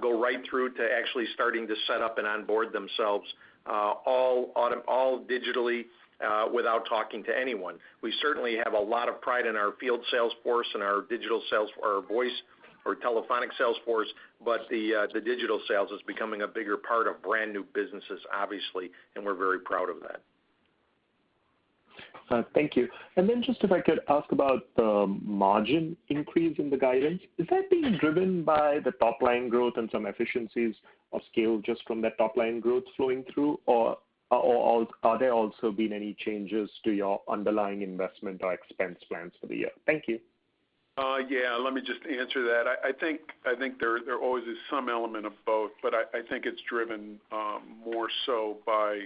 go right through to actually starting to set up and onboard themselves all digitally, without talking to anyone. The digital sales is becoming a bigger part of brand new businesses, obviously, and we're very proud of that. Thank you. Just if I could ask about the margin increase in the guidance. Is that being driven by the top line growth and some efficiencies of scale just from that top line growth flowing through? Are there also been any changes to your underlying investment or expense plans for the year? Thank you. Yeah, let me just answer that. I think there always is some element of both, but I think it's driven more so by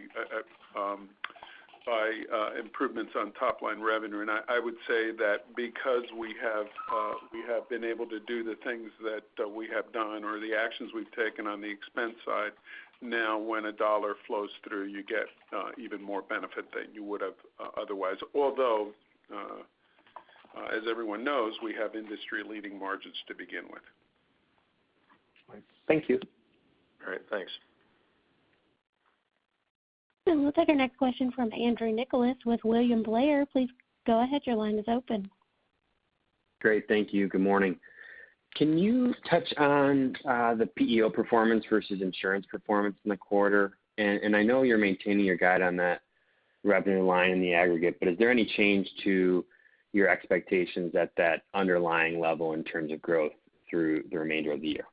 improvements on top line revenue. I would say that because we have been able to do the things that we have done or the actions we've taken on the expense side, now when $1 flows through, you get even more benefit than you would have otherwise. Although, as everyone knows, we have industry-leading margins to begin with. Thank you. All right. Thanks. We'll take our next question from Andrew Nicholas with William Blair. Please go ahead. Your line is open. Great. Thank you. Good morning. Can you touch on the PEO performance versus insurance performance in the quarter? I know you're maintaining your guide on that revenue line in the aggregate, is there any change to your expectations at that underlying level in terms of growth through the remainder of the year?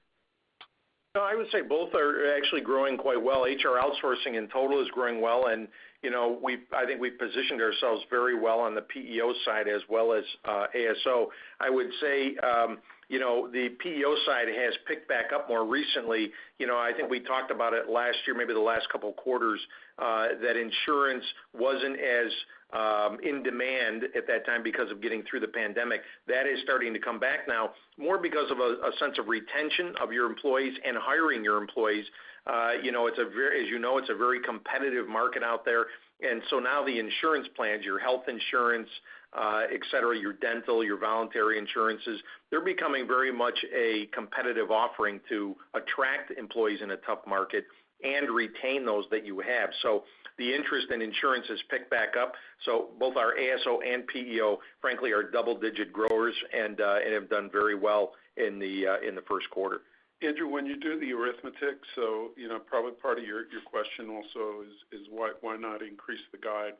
I would say both are actually growing quite well. HR outsourcing in total is growing well, and I think we've positioned ourselves very well on the PEO side as well as ASO. I would say, the PEO side has picked back up more recently. I think we talked about it last year, maybe the last couple of quarters, that insurance wasn't as in demand at that time because of getting through the pandemic. That is starting to come back now, more because of a sense of retention of your employees and hiring your employees. As you know, it's a very competitive market out there. Now the insurance plans, your health insurance, et cetera, your dental, your voluntary insurances, they're becoming very much a competitive offering to attract employees in a tough market and retain those that you have. The interest in insurance has picked back up, both our ASO and PEO, frankly, are double-digit growers and have done very well in the first quarter. Andrew, when you do the arithmetic, probably part of your question also is why not increase the guide?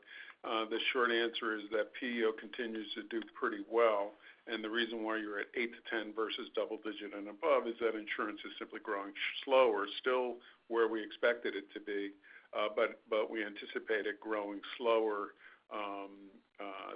The short answer is that PEO continues to do pretty well, and the reason why you're at eight to 10 versus double digit and above is that insurance is simply growing slower. Still where we expected it to be. We anticipate it growing slower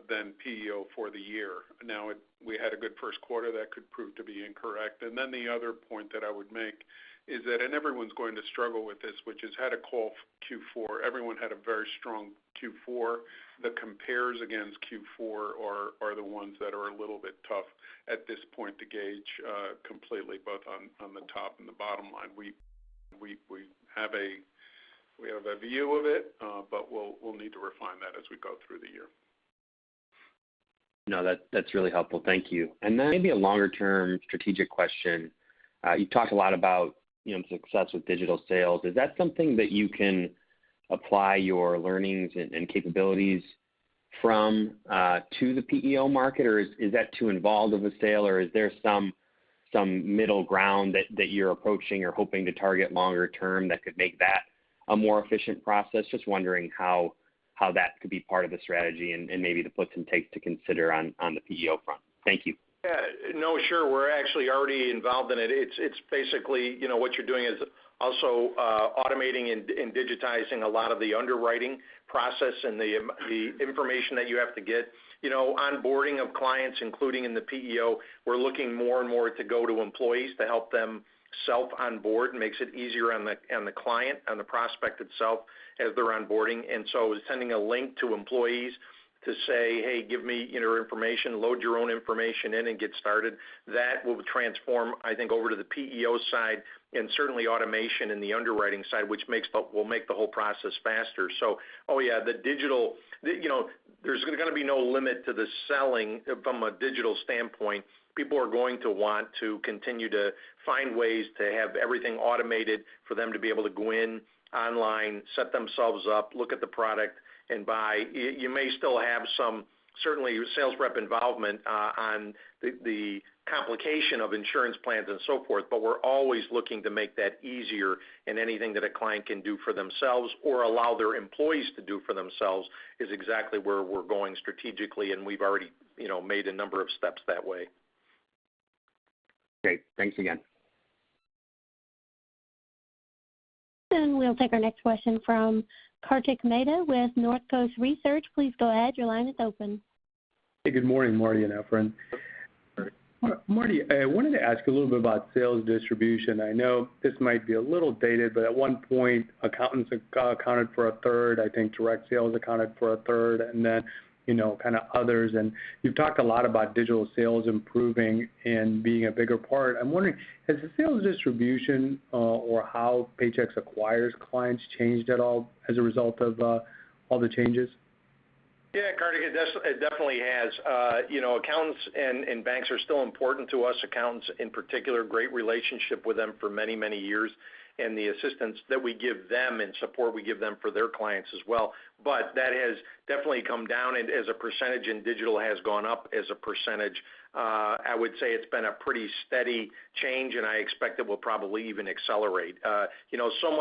than PEO for the year. Now, we had a good first quarter, that could prove to be incorrect. The other point that I would make is that, and everyone's going to struggle with this, which is had a Q4, everyone had a very strong Q4, the compares against Q4 are the ones that are a little bit tough at this point to gauge completely both on the top and the bottom line. We have a view of it, but we'll need to refine that as we go through the year. No, that's really helpful. Thank you. Maybe a longer-term strategic question. You talked a lot about success with digital sales. Is that something that you can apply your learnings and capabilities from to the PEO market, or is that too involved of a sale, or is there some middle ground that you're approaching or hoping to target longer term that could make a more efficient process? Just wondering how that could be part of the strategy and maybe the puts and takes to consider on the PEO front. Thank you. Yeah. No, sure. We're actually already involved in it. It's basically, what you're doing is also automating and digitizing a lot of the underwriting process and the information that you have to get. Onboarding of clients, including in the PEO, we're looking more and more to go to employees to help them self-onboard. Makes it easier on the client, on the prospect itself as they're onboarding. Sending a link to employees to say, "Hey, give me your information. Load your own information in and get started." That will transform, I think, over to the PEO side and certainly automation in the underwriting side, which will make the whole process faster. Oh, yeah, there's going to be no limit to the selling from a digital standpoint. People are going to want to continue to find ways to have everything automated for them to be able to go in online, set themselves up, look at the product, and buy. You may still have some, certainly, sales rep involvement on the complication of insurance plans and so forth, but we're always looking to make that easier, and anything that a client can do for themselves or allow their employees to do for themselves is exactly where we're going strategically, and we've already made a number of steps that way. Great. Thanks again. We'll take our next question from Kartik Mehta with Northcoast Research. Please go ahead. Your line is open. Hey, good morning, Marty and Efrain. Marty, I wanted to ask a little bit about sales distribution. I know this might be a little dated, at one point, accountants accounted for a third, I think direct sales accounted for a third, and then kind of others. You've talked a lot about digital sales improving and being a bigger part. I'm wondering, has the sales distribution, or how Paychex acquires clients changed at all as a result of all the changes? Yeah, Kartik, it definitely has. Accountants and banks are still important to us. Accountants in particular, great relationship with them for many, many years, and the assistance that we give them and support we give them for their clients as well. That has definitely come down as a percentage, and digital has gone up as a percentag. I would say it's been a pretty steady change, and I expect it will probably even accelerate.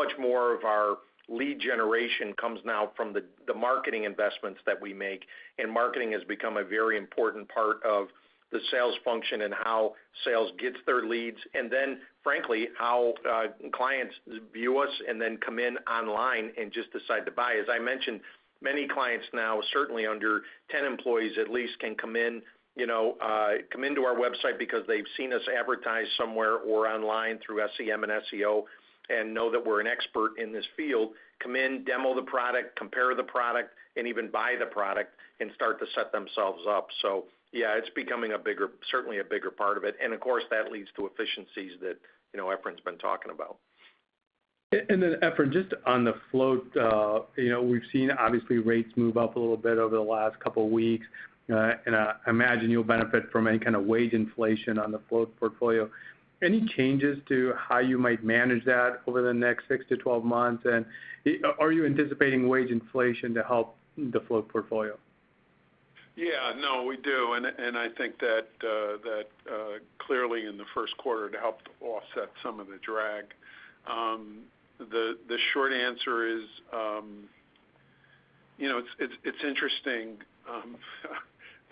Much more of our lead generation comes now from the marketing investments that we make. Marketing has become a very important part of the sales function and how sales gets their leads, and then frankly, how clients view us and then come in online and just decide to buy. As I mentioned, many clients now, certainly under 10 employees at least, can come into our website because they've seen us advertised somewhere or online through SEM and SEO and know that we're an expert in this field, come in, demo the product, compare the product, and even buy the product and start to set themselves up. Yeah, it's becoming certainly a bigger part of it. Of course, that leads to efficiencies that Efrain's been talking about. Efrain, just on the float, we've seen obviously rates move up a little bit over the last couple of weeks. I imagine you'll benefit from any kind of wage inflation on the float portfolio. Any changes to how you might manage that over the next six to 12 months? Are you anticipating wage inflation to help the float portfolio? Yeah, no, we do. I think that clearly in the first quarter to help offset some of the drag. The short answer is, it's interesting.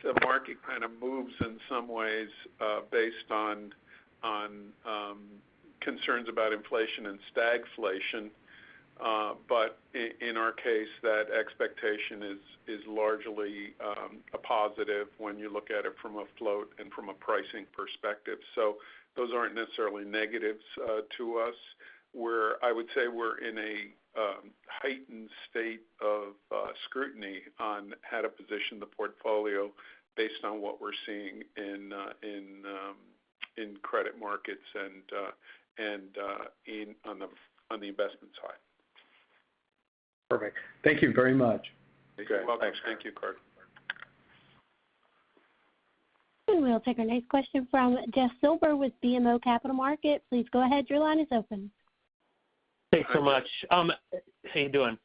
The market kind of moves in some ways, based on concerns about inflation and stagflation. In our case, that expectation is largely a positive when you look at it from a float and from a pricing perspective. Those aren't necessarily negatives to us, where I would say we're in a heightened state of scrutiny on how to position the portfolio based on what we're seeing in credit markets and on the investment side. Perfect. Thank you very much. Okay. You're welcome. Thank you, Kartik. We'll take our next question from Jeff Silber with BMO Capital Markets. Please go ahead. Your line is open. Thanks so much. How you doing?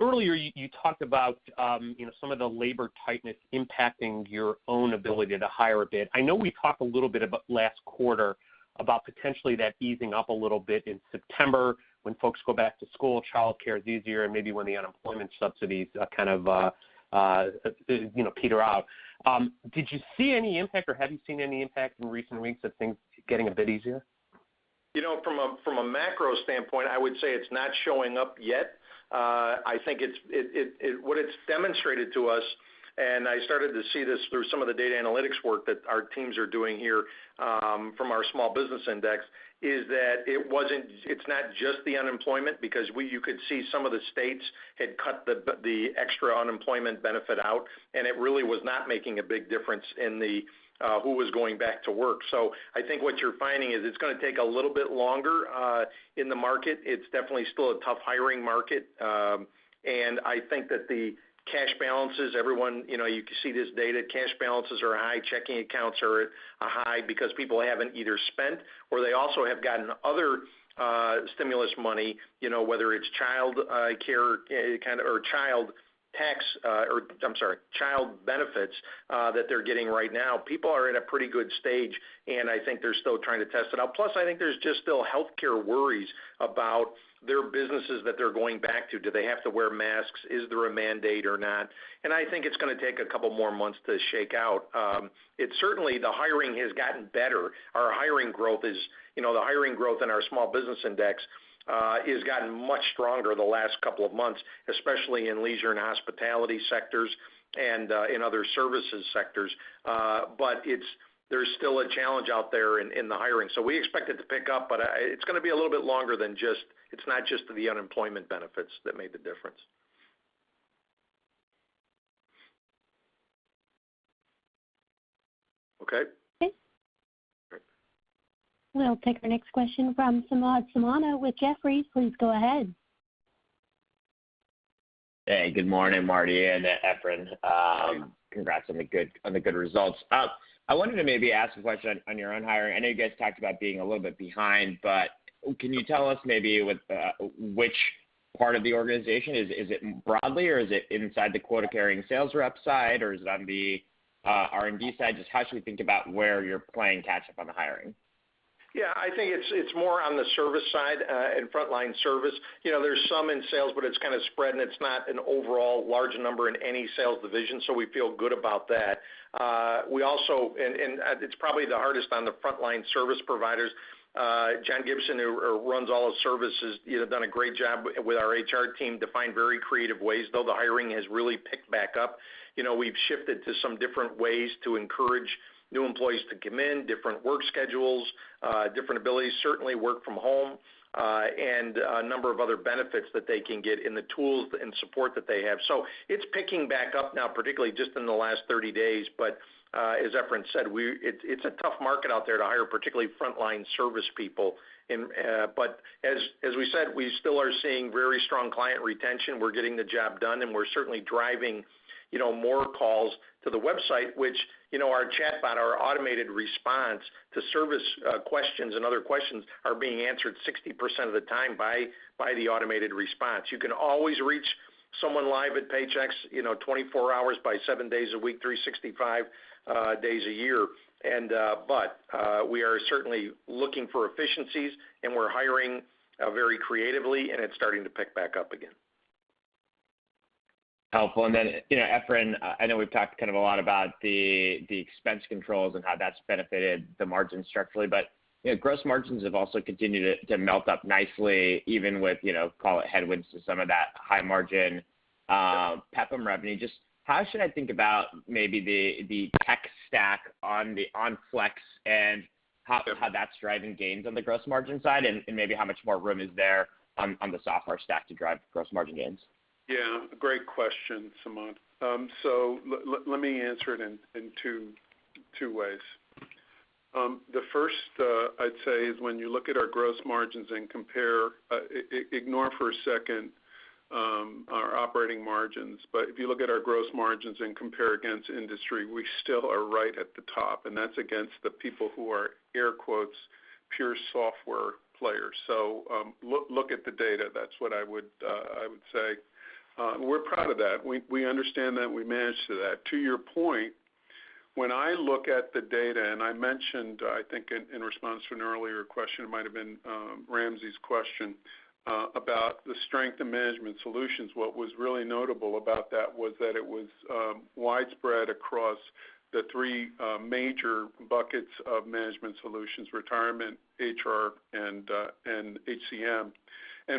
Earlier you talked about some of the labor tightness impacting your own ability to hire a bit. I know we talked a little bit about last quarter, about potentially that easing up a little bit in September when folks go back to school, childcare is easier, and maybe when the unemployment subsidies kind of peter out. Did you see any impact, or have you seen any impact in recent weeks of things getting a bit easier? From a macro standpoint, I would say it's not showing up yet. I think what it's demonstrated to us, and I started to see this through some of the data analytics work that our teams are doing here from our Small Business Index, is that it's not just the unemployment because you could see some of the states had cut the extra unemployment benefit out, and it really was not making a big difference in who was going back to work. I think what you're finding is it's going to take a little bit longer in the market. It's definitely still a tough hiring market. I think that the cash balances, everyone, you can see this data. Cash balances are high. Checking accounts are high because people haven't either spent, or they also have gotten other stimulus money, whether it's child care kind or child benefits that they're getting right now. People are in a pretty good stage, and I think they're still trying to test it out. I think there's just still healthcare worries about their businesses that they're going back to. Do they have to wear masks? Is there a mandate or not? I think it's going to take a couple more months to shake out. Certainly, the hiring has gotten better. The hiring growth in our Small Business Index has gotten much stronger the last couple of months, especially in leisure and hospitality sectors and in other services sectors. There's still a challenge out there in the hiring. We expect it to pick up, but it's going to be a little bit longer than just, it's not just the unemployment benefits that made the difference. Okay. Okay. Great. We'll take our next question from Samad Samana with Jefferies. Please go ahead. Hey, good morning, Marty and Efrain. Hi. Congrats on the good results. I wanted to maybe ask a question on your own hiring. I know you guys talked about being a little bit behind. Can you tell us maybe which part of the organization? Is it broadly, or is it inside the quota-carrying sales rep side, or is it on the R&D side? Just how should we think about where you're playing catch up on the hiring? I think it's more on the service side, in frontline service. There's some in sales, but it's kind of spread, and it's not an overall large number in any sales division, so we feel good about that. It's probably the hardest on the frontline service providers. John Gibson, who runs all the services, done a great job with our HR team to find very creative ways, though the hiring has really picked back up. We've shifted to some different ways to encourage new employees to come in, different work schedules, different abilities, certainly work from home, and a number of other benefits that they can get and the tools and support that they have. It's picking back up now, particularly just in the last 30 days. As Efrain said, it's a tough market out there to hire, particularly frontline service people. As we said, we still are seeing very strong client retention. We're getting the job done, and we're certainly driving more calls to the website, which our chatbot, our automated response to service questions and other questions are being answered 60% of the time by the automated response. You can always reach someone live at Paychex 24 hours by seven days a week, 365 days a year. We are certainly looking for efficiencies, and we're hiring very creatively, and it's starting to pick back up again. Helpful. Efrain, I know we've talked a lot about the expense controls and how that's benefited the margin structurally, but gross margins have also continued to melt up nicely even with, call it headwinds to some of that high margin PEPM revenue. How should I think about maybe the tech stack on Flex and how that's driving gains on the gross margin side, and maybe how much more room is there on the software stack to drive gross margin gains? Yeah, great question, Samad. Let me answer it in two ways. The first, I'd say, is when you look at our gross margins and compare Ignore for a second our operating margins. If you look at our gross margins and compare against industry, we still are right at the top, and that's against the people who are, air quotes, "pure software players." Look at the data. That's what I would say. We're proud of that. We understand that. We manage to that. To your point, when I look at the data, and I mentioned, I think in response to an earlier question, it might've been Ramsey's question, about the strength of Management Solutions. What was really notable about that was that it was widespread across the three major buckets of Management Solutions, retirement, HR, and HCM.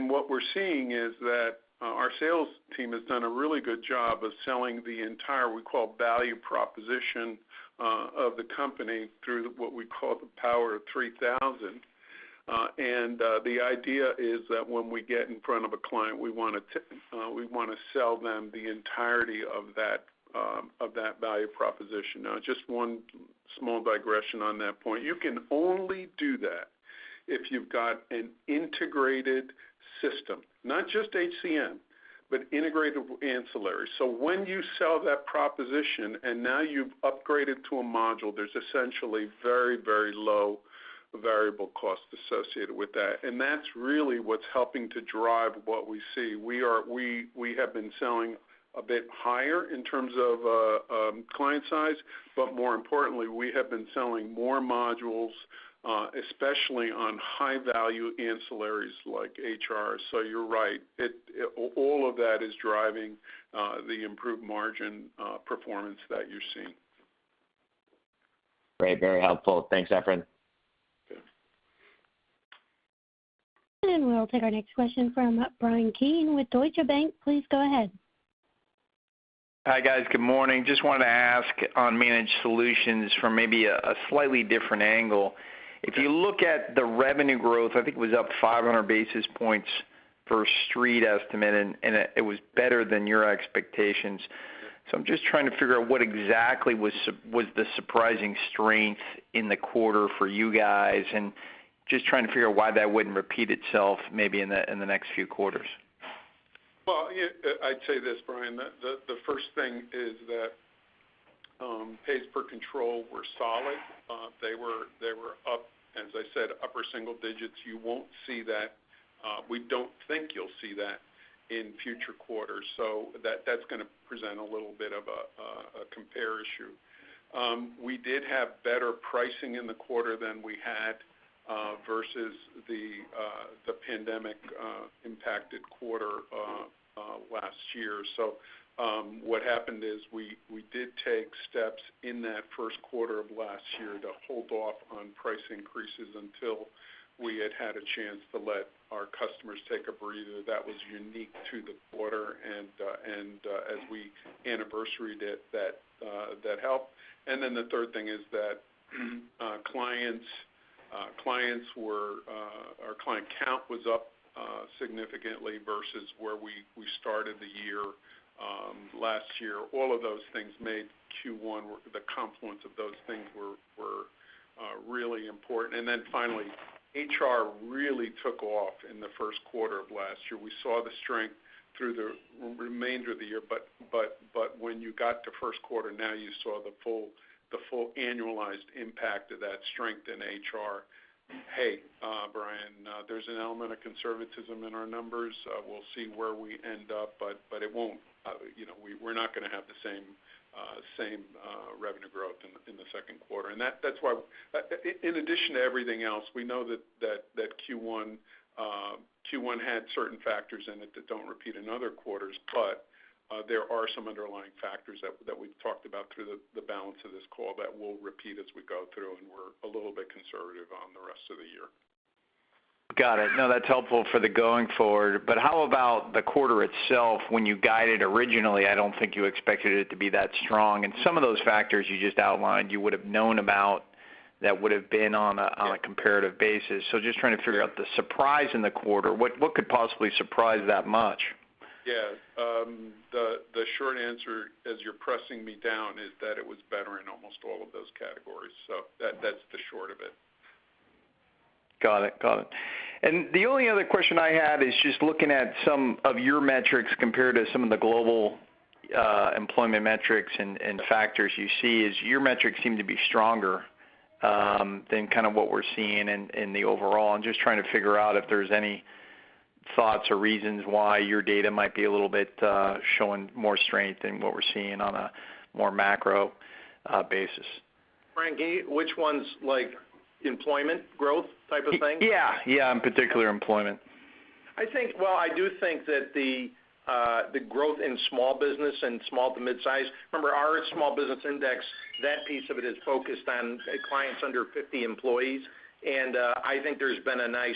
What we're seeing is that our sales team has done a really good job of selling the entire, we call value proposition of the company through what we call the Power of 3,000. The idea is that when we get in front of a client, we want to sell them the entirety of that value proposition. Just one small digression on that point. You can only do that if you've got an integrated system, not just HCM, but integrated ancillary. When you sell that proposition and now you've upgraded to a module, there's essentially very low variable cost associated with that. That's really what's helping to drive what we see. We have been selling a bit higher in terms of client size, but more importantly, we have been selling more modules, especially on high-value ancillaries like HR. You're right. All of that is driving the improved margin performance that you're seeing. Great. Very helpful. Thanks, Efrain. Good. We'll take our next question from Bryan Keane with Deutsche Bank. Please go ahead. Hi, guys. Good morning. Just wanted to ask on Management Solutions from maybe a slightly different angle. If you look at the revenue growth, I think it was up 500 basis points for Street estimate, and it was better than your expectations. I'm just trying to figure out what exactly was the surprising strength in the quarter for you guys, and just trying to figure out why that wouldn't repeat itself maybe in the next few quarters. Well, I'd say this, Bryan. The first thing is that pays per control were solid. They were up, as I said, upper single digits. You won't see that. We don't think you'll see that in future quarters. That's going to present a little bit of a compare issue. We did have better pricing in the quarter than we had versus the pandemic-impacted quarter last year. What happened is we did take steps in that first quarter of last year to hold off on price increases until we had had a chance to let our customers take a breather. That was unique to the quarter, and as we anniversaried it, that helped. The third thing is that clients were, our client count was up significantly versus where we started the year last year. All of those things made Q1, the confluence of those things were really important. Finally, HR really took off in the 1st quarter of last year. We saw the strength through the remainder of the year, but when you got to 1st quarter, now you saw the full annualized impact of that strength in HR. Hey, Bryan, there's an element of conservatism in our numbers. We'll see where we end up, but we're not going to have the same revenue growth in the second quarter. That's why, in addition to everything else, we know that Q1 had certain factors in it that don't repeat in other quarters, but there are some underlying factors that we've talked about through the balance of this call that we'll repeat as we go through, and we're a little bit conservative on the rest of the year. Got it. No, that's helpful for the going forward. How about the quarter itself? When you guided originally, I don't think you expected it to be that strong, and some of those factors you just outlined, you would've known about. Yeah. Comparative basis. Just trying to figure out the surprise in the quarter. What could possibly surprise that much? Yeah. The short answer, as you're pressing me down, is that it was better in almost all of those categories. That's the short of it. Got it. The only other question I had is just looking at some of your metrics compared to some of the global employment metrics and factors you see, your metrics seem to be stronger than kind of what we're seeing in the overall, and just trying to figure out if there's any thoughts or reasons why your data might be a little bit showing more strength than what we're seeing on a more macro basis? Frank, which ones, like employment growth type of thing? Yeah. In particular, employment. Well, I do think that the growth in small business and small to mid-size. Remember, our Small Business Index, that piece of it is focused on clients under 50 employees, and I think there's been a nice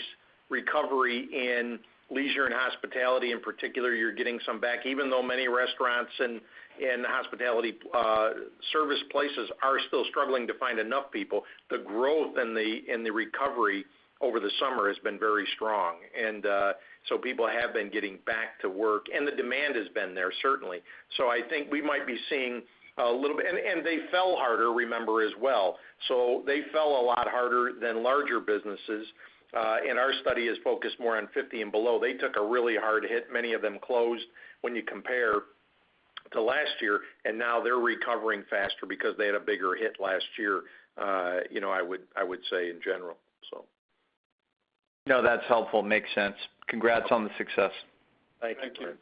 recovery in leisure and hospitality in particular. You're getting some back, even though many restaurants and hospitality service places are still struggling to find enough people, the growth and the recovery over the summer has been very strong. People have been getting back to work, and the demand has been there certainly. I think we might be seeing a little bit. They fell harder, remember as well. They fell a lot harder than larger businesses, and our study is focused more on 50 and below. They took a really hard hit. Many of them closed when you compare to last year. Now they're recovering faster because they had a bigger hit last year, I would say in general, so. No, that's helpful. Makes sense. Congrats on the success. Thank you. Thank you, Bryan.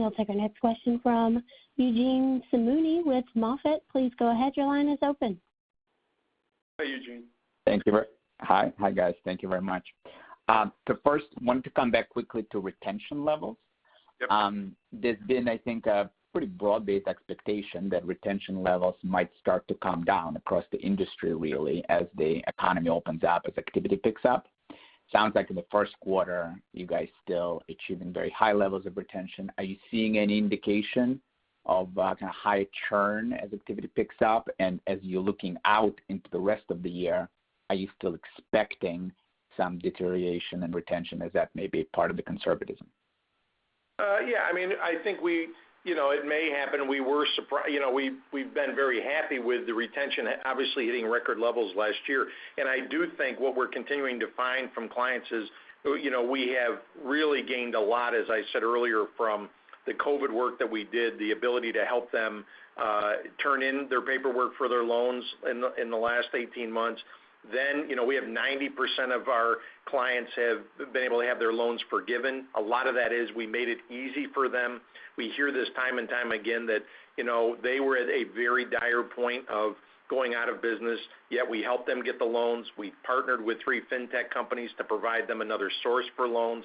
We'll take our next question from Eugene Simuni with Moffett. Please go ahead, your line is open. Hi, Eugene. Hi, guys. Thank you very much. First, wanted to come back quickly to retention levels. Yep. There's been, I think, a pretty broad-based expectation that retention levels might start to come down across the industry really as the economy opens up, as activity picks up. Sounds like in the first quarter, you guys still achieving very high levels of retention. Are you seeing any indication of kind of high churn as activity picks up? As you're looking out into the rest of the year, are you still expecting some deterioration in retention as that may be part of the conservatism? Yeah, I think it may happen. We've been very happy with the retention, obviously hitting record levels last year. I do think what we're continuing to find from clients is we have really gained a lot, as I said earlier, from the COVID work that we did, the ability to help them turn in their paperwork for their loans in the last 18 months. We have 90% of our clients have been able to have their loans forgiven. A lot of that is we made it easy for them. We hear this time and time again that they were at a very dire point of going out of business, yet we helped them get the loans. We partnered with three fintech companies to provide them another source for loans.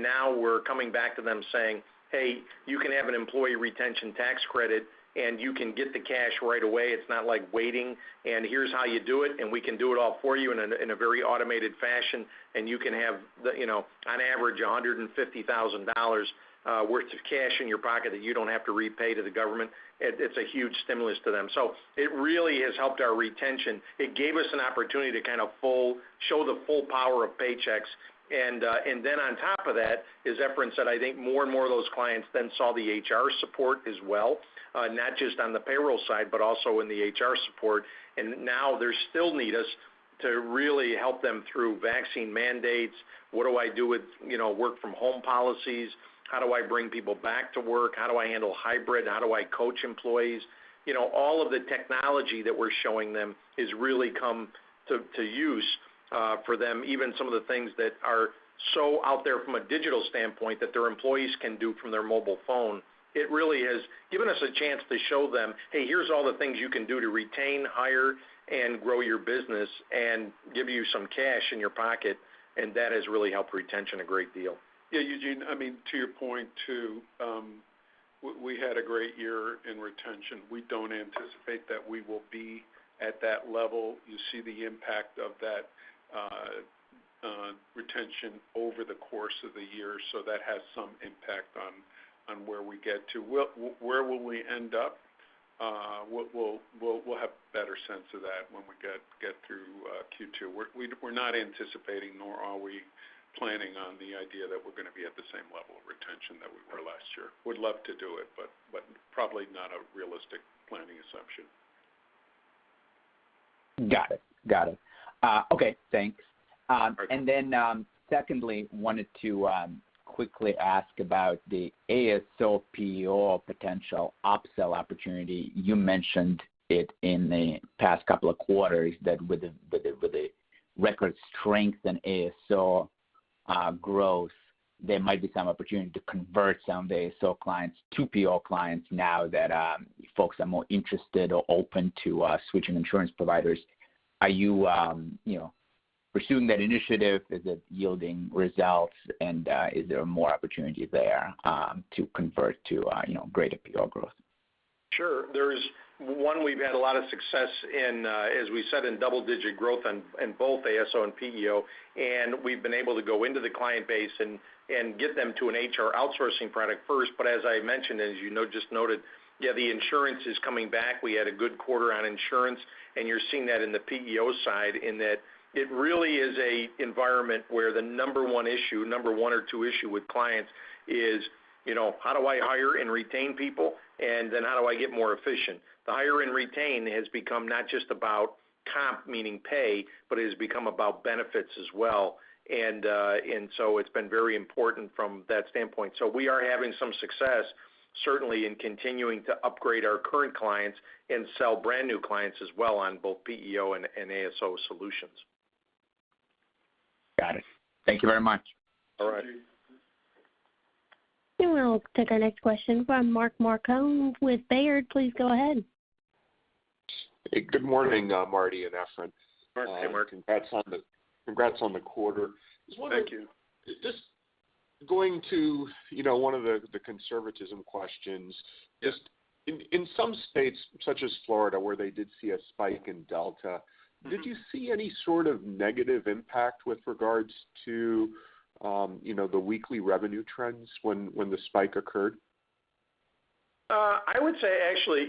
Now we're coming back to them saying, "Hey, you can have an Employee Retention Tax Credit, and you can get the cash right away. It's not like waiting. Here's how you do it. We can do it all for you in a very automated fashion. You can have, on average, $150,000 worth of cash in your pocket that you don't have to repay to the government." It's a huge stimulus to them. It really has helped our retention. It gave us an opportunity to kind of show the full power of Paychex. On top of that, as Efrain said, I think more and more of those clients then saw the HR support as well. Not just on the payroll side, but also in the HR support. Now they still need us to really help them through vaccine mandates. What do I do with work from home policies? How do I bring people back to work? How do I handle hybrid? How do I coach employees? All of the technology that we're showing them has really come to use for them, even some of the things that are so out there from a digital standpoint that their employees can do from their mobile phone. It really has given us a chance to show them, "Hey, here's all the things you can do to retain, hire, and grow your business, and give you some cash in your pocket," and that has really helped retention a great deal. Eugene, to your point too, we had a great year in retention. We don't anticipate that we will be at that level. You see the impact of that. Retention over the course of the year, so that has some impact on where we get to. Where will we end up? We'll have a better sense of that when we get through Q2. We're not anticipating, nor are we planning on the idea that we're going to be at the same level of retention that we were last year. We'd love to do it, but probably not a realistic planning assumption. Got it. Okay, thanks. All right. Secondly, wanted to quickly ask about the ASO PEO potential upsell opportunity. You mentioned it in the past couple of quarters that with the record strength in ASO growth, there might be some opportunity to convert some ASO clients to PEO clients now that folks are more interested or open to switching insurance providers. Are you pursuing that initiative? Is it yielding results? Is there more opportunity there to convert to greater PEO growth? Sure. One, we've had a lot of success in, as we said, in double-digit growth in both ASO and PEO. We've been able to go into the client base and get them to an HR outsourcing product first. As I mentioned, as you just noted, yeah, the insurance is coming back. We had a good quarter on insurance. You're seeing that in the PEO side in that it really is a environment where the number one or two issue with clients is how do I hire and retain people? Then how do I get more efficient? The hire and retain has become not just about comp, meaning pay, but it has become about benefits as well. It's been very important from that standpoint. We are having some success, certainly, in continuing to upgrade our current clients and sell brand-new clients as well on both PEO and ASO solutions. Got it. Thank you very much. All right. We'll take our next question from Mark Marcon with Baird. Please go ahead. Hey, good morning, Marty and Efrain. Morning, Mark. Congrats on the quarter. Thank you. Just going to one of the conservatism questions. Yes. In some states, such as Florida, where they did see a spike in Delta. Did you see any sort of negative impact with regards to the weekly revenue trends when the spike occurred? I would say, actually,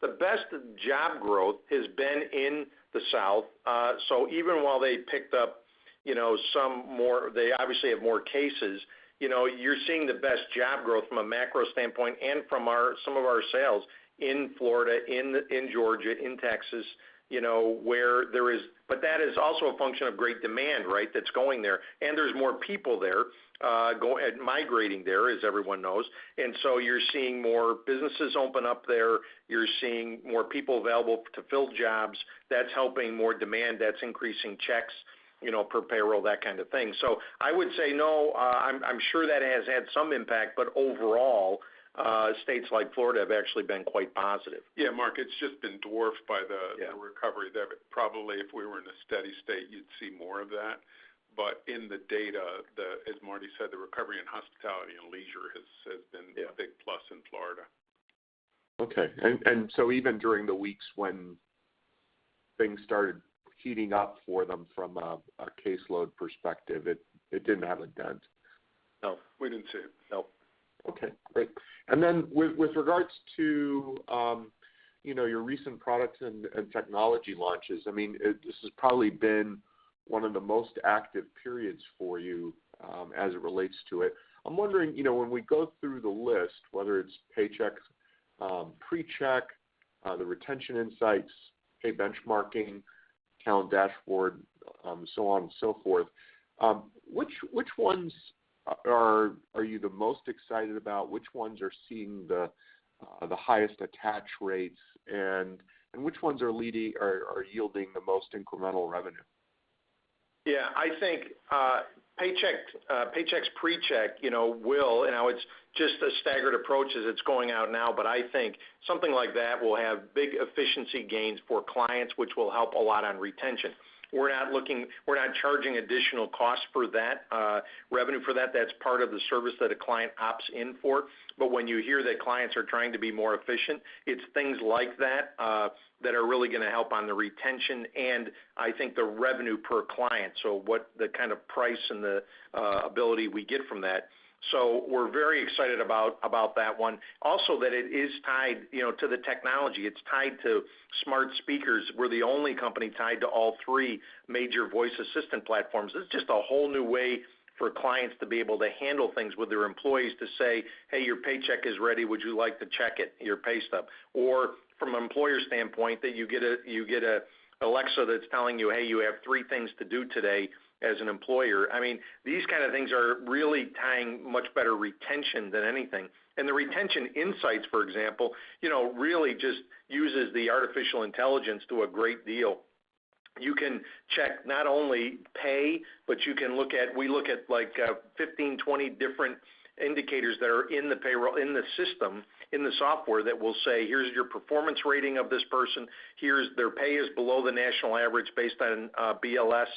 the best job growth has been in the South. Even while they obviously have more cases, you're seeing the best job growth from a macro standpoint and from some of our sales in Florida, in Georgia, in Texas. That is also a function of great demand, right, that's going there, and there's more people there migrating there, as everyone knows. You're seeing more businesses open up there. You're seeing more people available to fill jobs. That's helping more demand. That's increasing checks per payroll, that kind of thing. I would say no. I'm sure that has had some impact, but overall, states like Florida have actually been quite positive. Yeah, Mark, it's just been dwarfed. Yeah. The recovery there. Probably if we were in a steady state, you'd see more of that. In the data, as Marty said, the recovery in hospitality and leisure has been. Yeah. A big plus in Florida. Okay. Even during the weeks when things started heating up for them from a caseload perspective, it didn't have a dent. No, we didn't see it, no. Okay, great. With regards to your recent products and technology launches, this has probably been one of the most active periods for you as it relates to it. I'm wondering, when we go through the list, whether it's Paychex Pre-Check, the Retention Insights, pay benchmarking, talent dashboard, so on and so forth, which ones are you the most excited about? Which ones are seeing the highest attach rates? Which ones are yielding the most incremental revenue? Yeah, I think Paychex Pre-Check will. It's just a staggered approach as it's going out now. I think something like that will have big efficiency gains for clients, which will help a lot on retention. We're not charging additional costs for that, revenue for that. That's part of the service that a client opts in for. When you hear that clients are trying to be more efficient, it's things like that that are really going to help on the retention and I think the revenue per client, so the kind of price and the ability we get from that. We're very excited about that one. Also, that it is tied to the technology. It's tied to smart speakers. We're the only company tied to all three major voice assistant platforms. It's just a whole new way for clients to be able to handle things with their employees to say, "Hey, your paycheck is ready. Would you like to check it, your pay stub?" From an employer standpoint, that you get a Alexa that's telling you, "Hey, you have three things to do today as an employer." These kind of things are really tying much better retention than anything. The Paychex Retention Insights, for example, really just uses the artificial intelligence to a great deal. You can check not only pay, but we look at 15, 20 different indicators that are in the payroll, in the system, in the software that will say, "Here's your performance rating of this person. Here's their pay is below the national average based on BLS,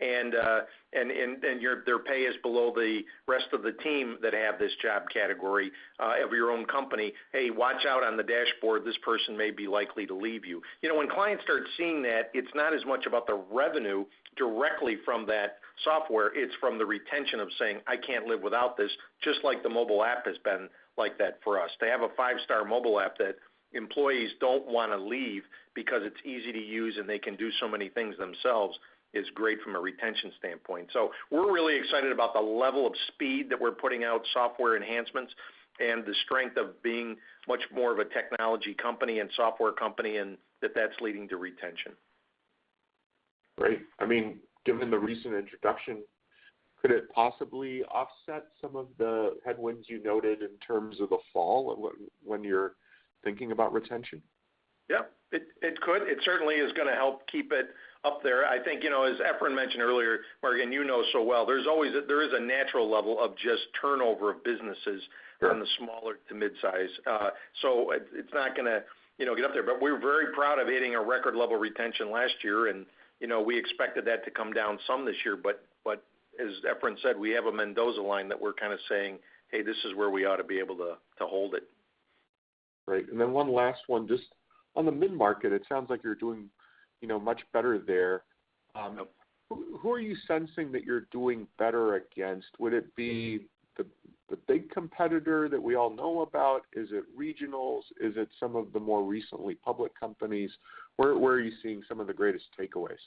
and their pay is below the rest of the team that have this job category of your own company. Hey, watch out on the dashboard, this person may be likely to leave you." When clients start seeing that, it's not as much about the revenue directly from that software, it's from the retention of saying, "I can't live without this," just like the mobile app has been like that for us. To have a five-star mobile app that employees don't want to leave because it's easy to use and they can do so many things themselves is great from a retention standpoint. We're really excited about the level of speed that we're putting out software enhancements and the strength of being much more of a technology company and software company, and that that's leading to retention. Great. Given the recent introduction, could it possibly offset some of the headwinds you noted in terms of the fall when you're thinking about retention? Yep. It could. It certainly is going to help keep it up there. I think, as Efrain mentioned earlier, Mark, and you know so well, there is a natural level of just turnover of businesses. Sure. From the smaller to mid-size. It's not going to get up there, but we're very proud of hitting a record level retention last year, and we expected that to come down some this year, but as Efrain said, we have a Mendoza line that we're saying, "Hey, this is where we ought to be able to hold it. Great. One last one. Just on the mid-market, it sounds like you're doing much better there. Yep. Who are you sensing that you're doing better against? Would it be the big competitor that we all know about? Is it regionals? Is it some of the more recently public companies? Where are you seeing some of the greatest takeaways?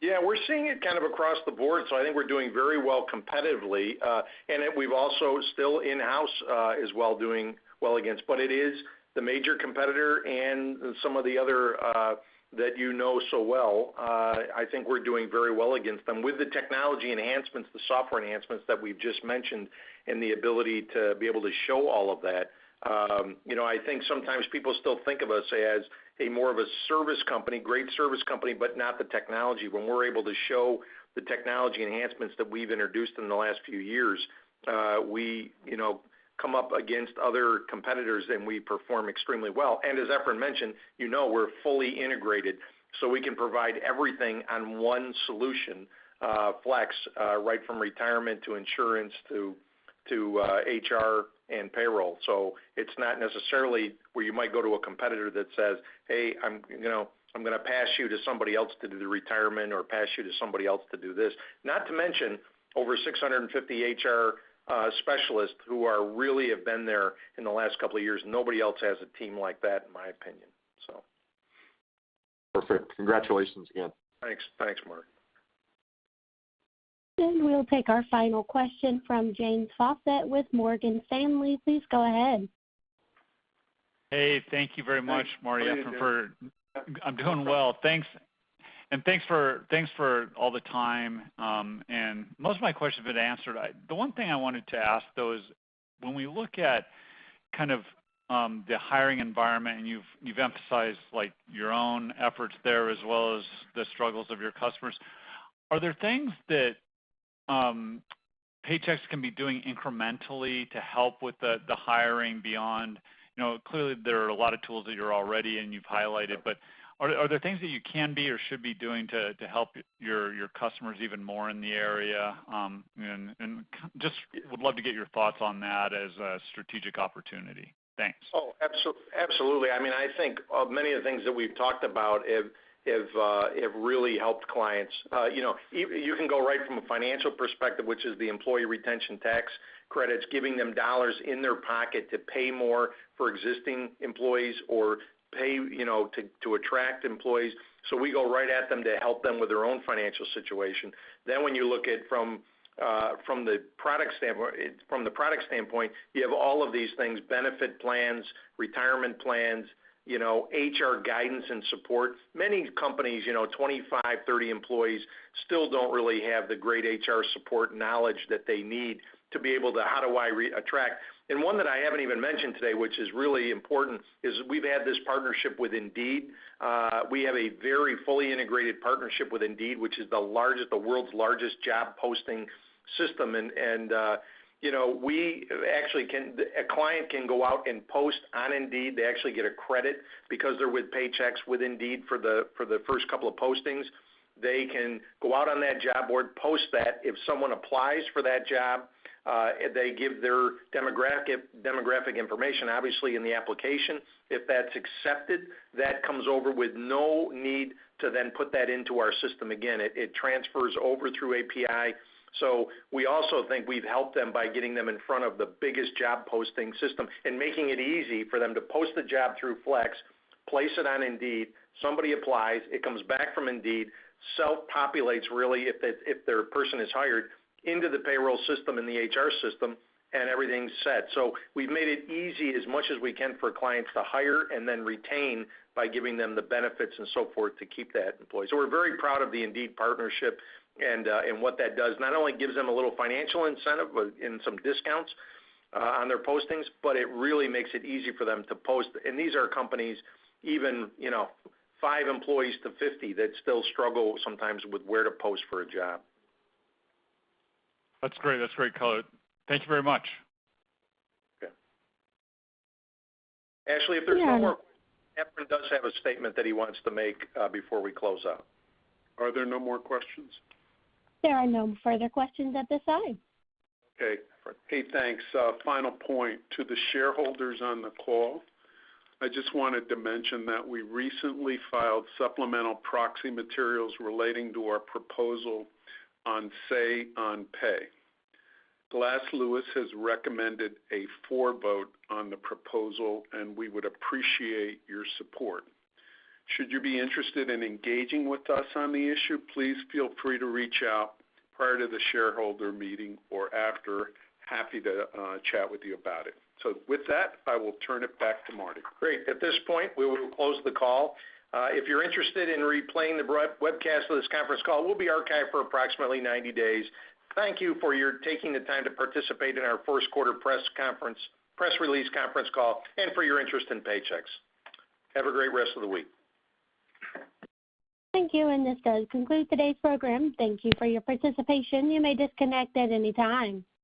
Yeah. We're seeing it kind of across the board, so I think we're doing very well competitively. We've also still in-house as well, doing well against. It is the major competitor and some of the other that you know so well. I think we're doing very well against them. With the technology enhancements, the software enhancements that we've just mentioned, and the ability to be able to show all of that, I think sometimes people still think of us as a more of a service company, great service company, but not the technology. When we're able to show the technology enhancements that we've introduced in the last few years, we come up against other competitors, and we perform extremely well. As Efrain mentioned, you know we're fully integrated, so we can provide everything on one solution, Flex, right from retirement to insurance to HR and payroll. It's not necessarily where you might go to a competitor that says, "Hey, I'm going to pass you to somebody else to do the retirement," or pass you to somebody else to do this. Not to mention over 650 HR specialists who really have been there in the last couple of years. Nobody else has a team like that, in my opinion. Perfect. Congratulations again. Thanks, Mark. We'll take our final question from James Faucette with Morgan Stanley. Please go ahead. Hey, thank you very much, Marty. How are you doing, James? I'm doing well, thanks. Thanks for all the time. Most of my questions have been answered. The one thing I wanted to ask, though, is when we look at kind of the hiring environment, and you've emphasized your own efforts there as well as the struggles of your customers, are there things that Paychex can be doing incrementally to help with the hiring beyond. Clearly, there are a lot of tools that you're already and you've highlighted, but are there things that you can be or should be doing to help your customers even more in the area? Just would love to get your thoughts on that as a strategic opportunity. Thanks. Absolutely. I think of many of the things that we've talked about have really helped clients. You can go right from a financial perspective, which is the Employee Retention Tax Credits, giving them dollars in their pocket to pay more for existing employees or pay to attract employees. We go right at them to help them with their own financial situation. When you look at from the product standpoint, you have all of these things, benefit plans, retirement plans, HR guidance and support. Many companies, 25, 30 employees still don't really have the great HR support knowledge that they need to be able to, how do I attract? One that I haven't even mentioned today, which is really important, is we've had this partnership with Indeed. We have a very fully integrated partnership with Indeed, which is the world's largest job posting system. A client can go out and post on Indeed. They actually get a credit because they're with Paychex, with Indeed for the first couple of postings. They can go out on that job board, post that. If someone applies for that job, they give their demographic information, obviously, in the application. If that's accepted, that comes over with no need to then put that into our system again. It transfers over through API. We also think we've helped them by getting them in front of the biggest job posting system and making it easy for them to post the job through Flex, place it on Indeed, somebody applies, it comes back from Indeed, self-populates, really, if their person is hired into the payroll system and the HR system, and everything's set. We've made it easy as much as we can for clients to hire and then retain by giving them the benefits and so forth to keep that employee. We're very proud of the Indeed partnership and what that does. Not only gives them a little financial incentive in some discounts on their postings, but it really makes it easy for them to post. These are companies, even five employees to 50, that still struggle sometimes with where to post for a job. That's great color. Thank you very much. Okay. Ashley, if there's no more Efrain does have a statement that he wants to make before we close out. Are there no more questions? There are no further questions at this time. Okay. Hey, thanks. Final point. To the shareholders on the call, I just wanted to mention that we recently filed supplemental proxy materials relating to our proposal on Say on Pay. Glass Lewis has recommended a for vote on the proposal, and we would appreciate your support. Should you be interested in engaging with us on the issue, please feel free to reach out prior to the shareholder meeting or after. Happy to chat with you about it. With that, I will turn it back to Marty. Great. At this point, we will close the call. If you're interested in replaying the webcast of this conference call, we'll be archived for approximately 90 days. Thank you for your taking the time to participate in our first quarter press release conference call and for your interest in Paychex. Have a great rest of the week. Thank you, and this does conclude today's program. Thank you for your participation. You may disconnect at any time.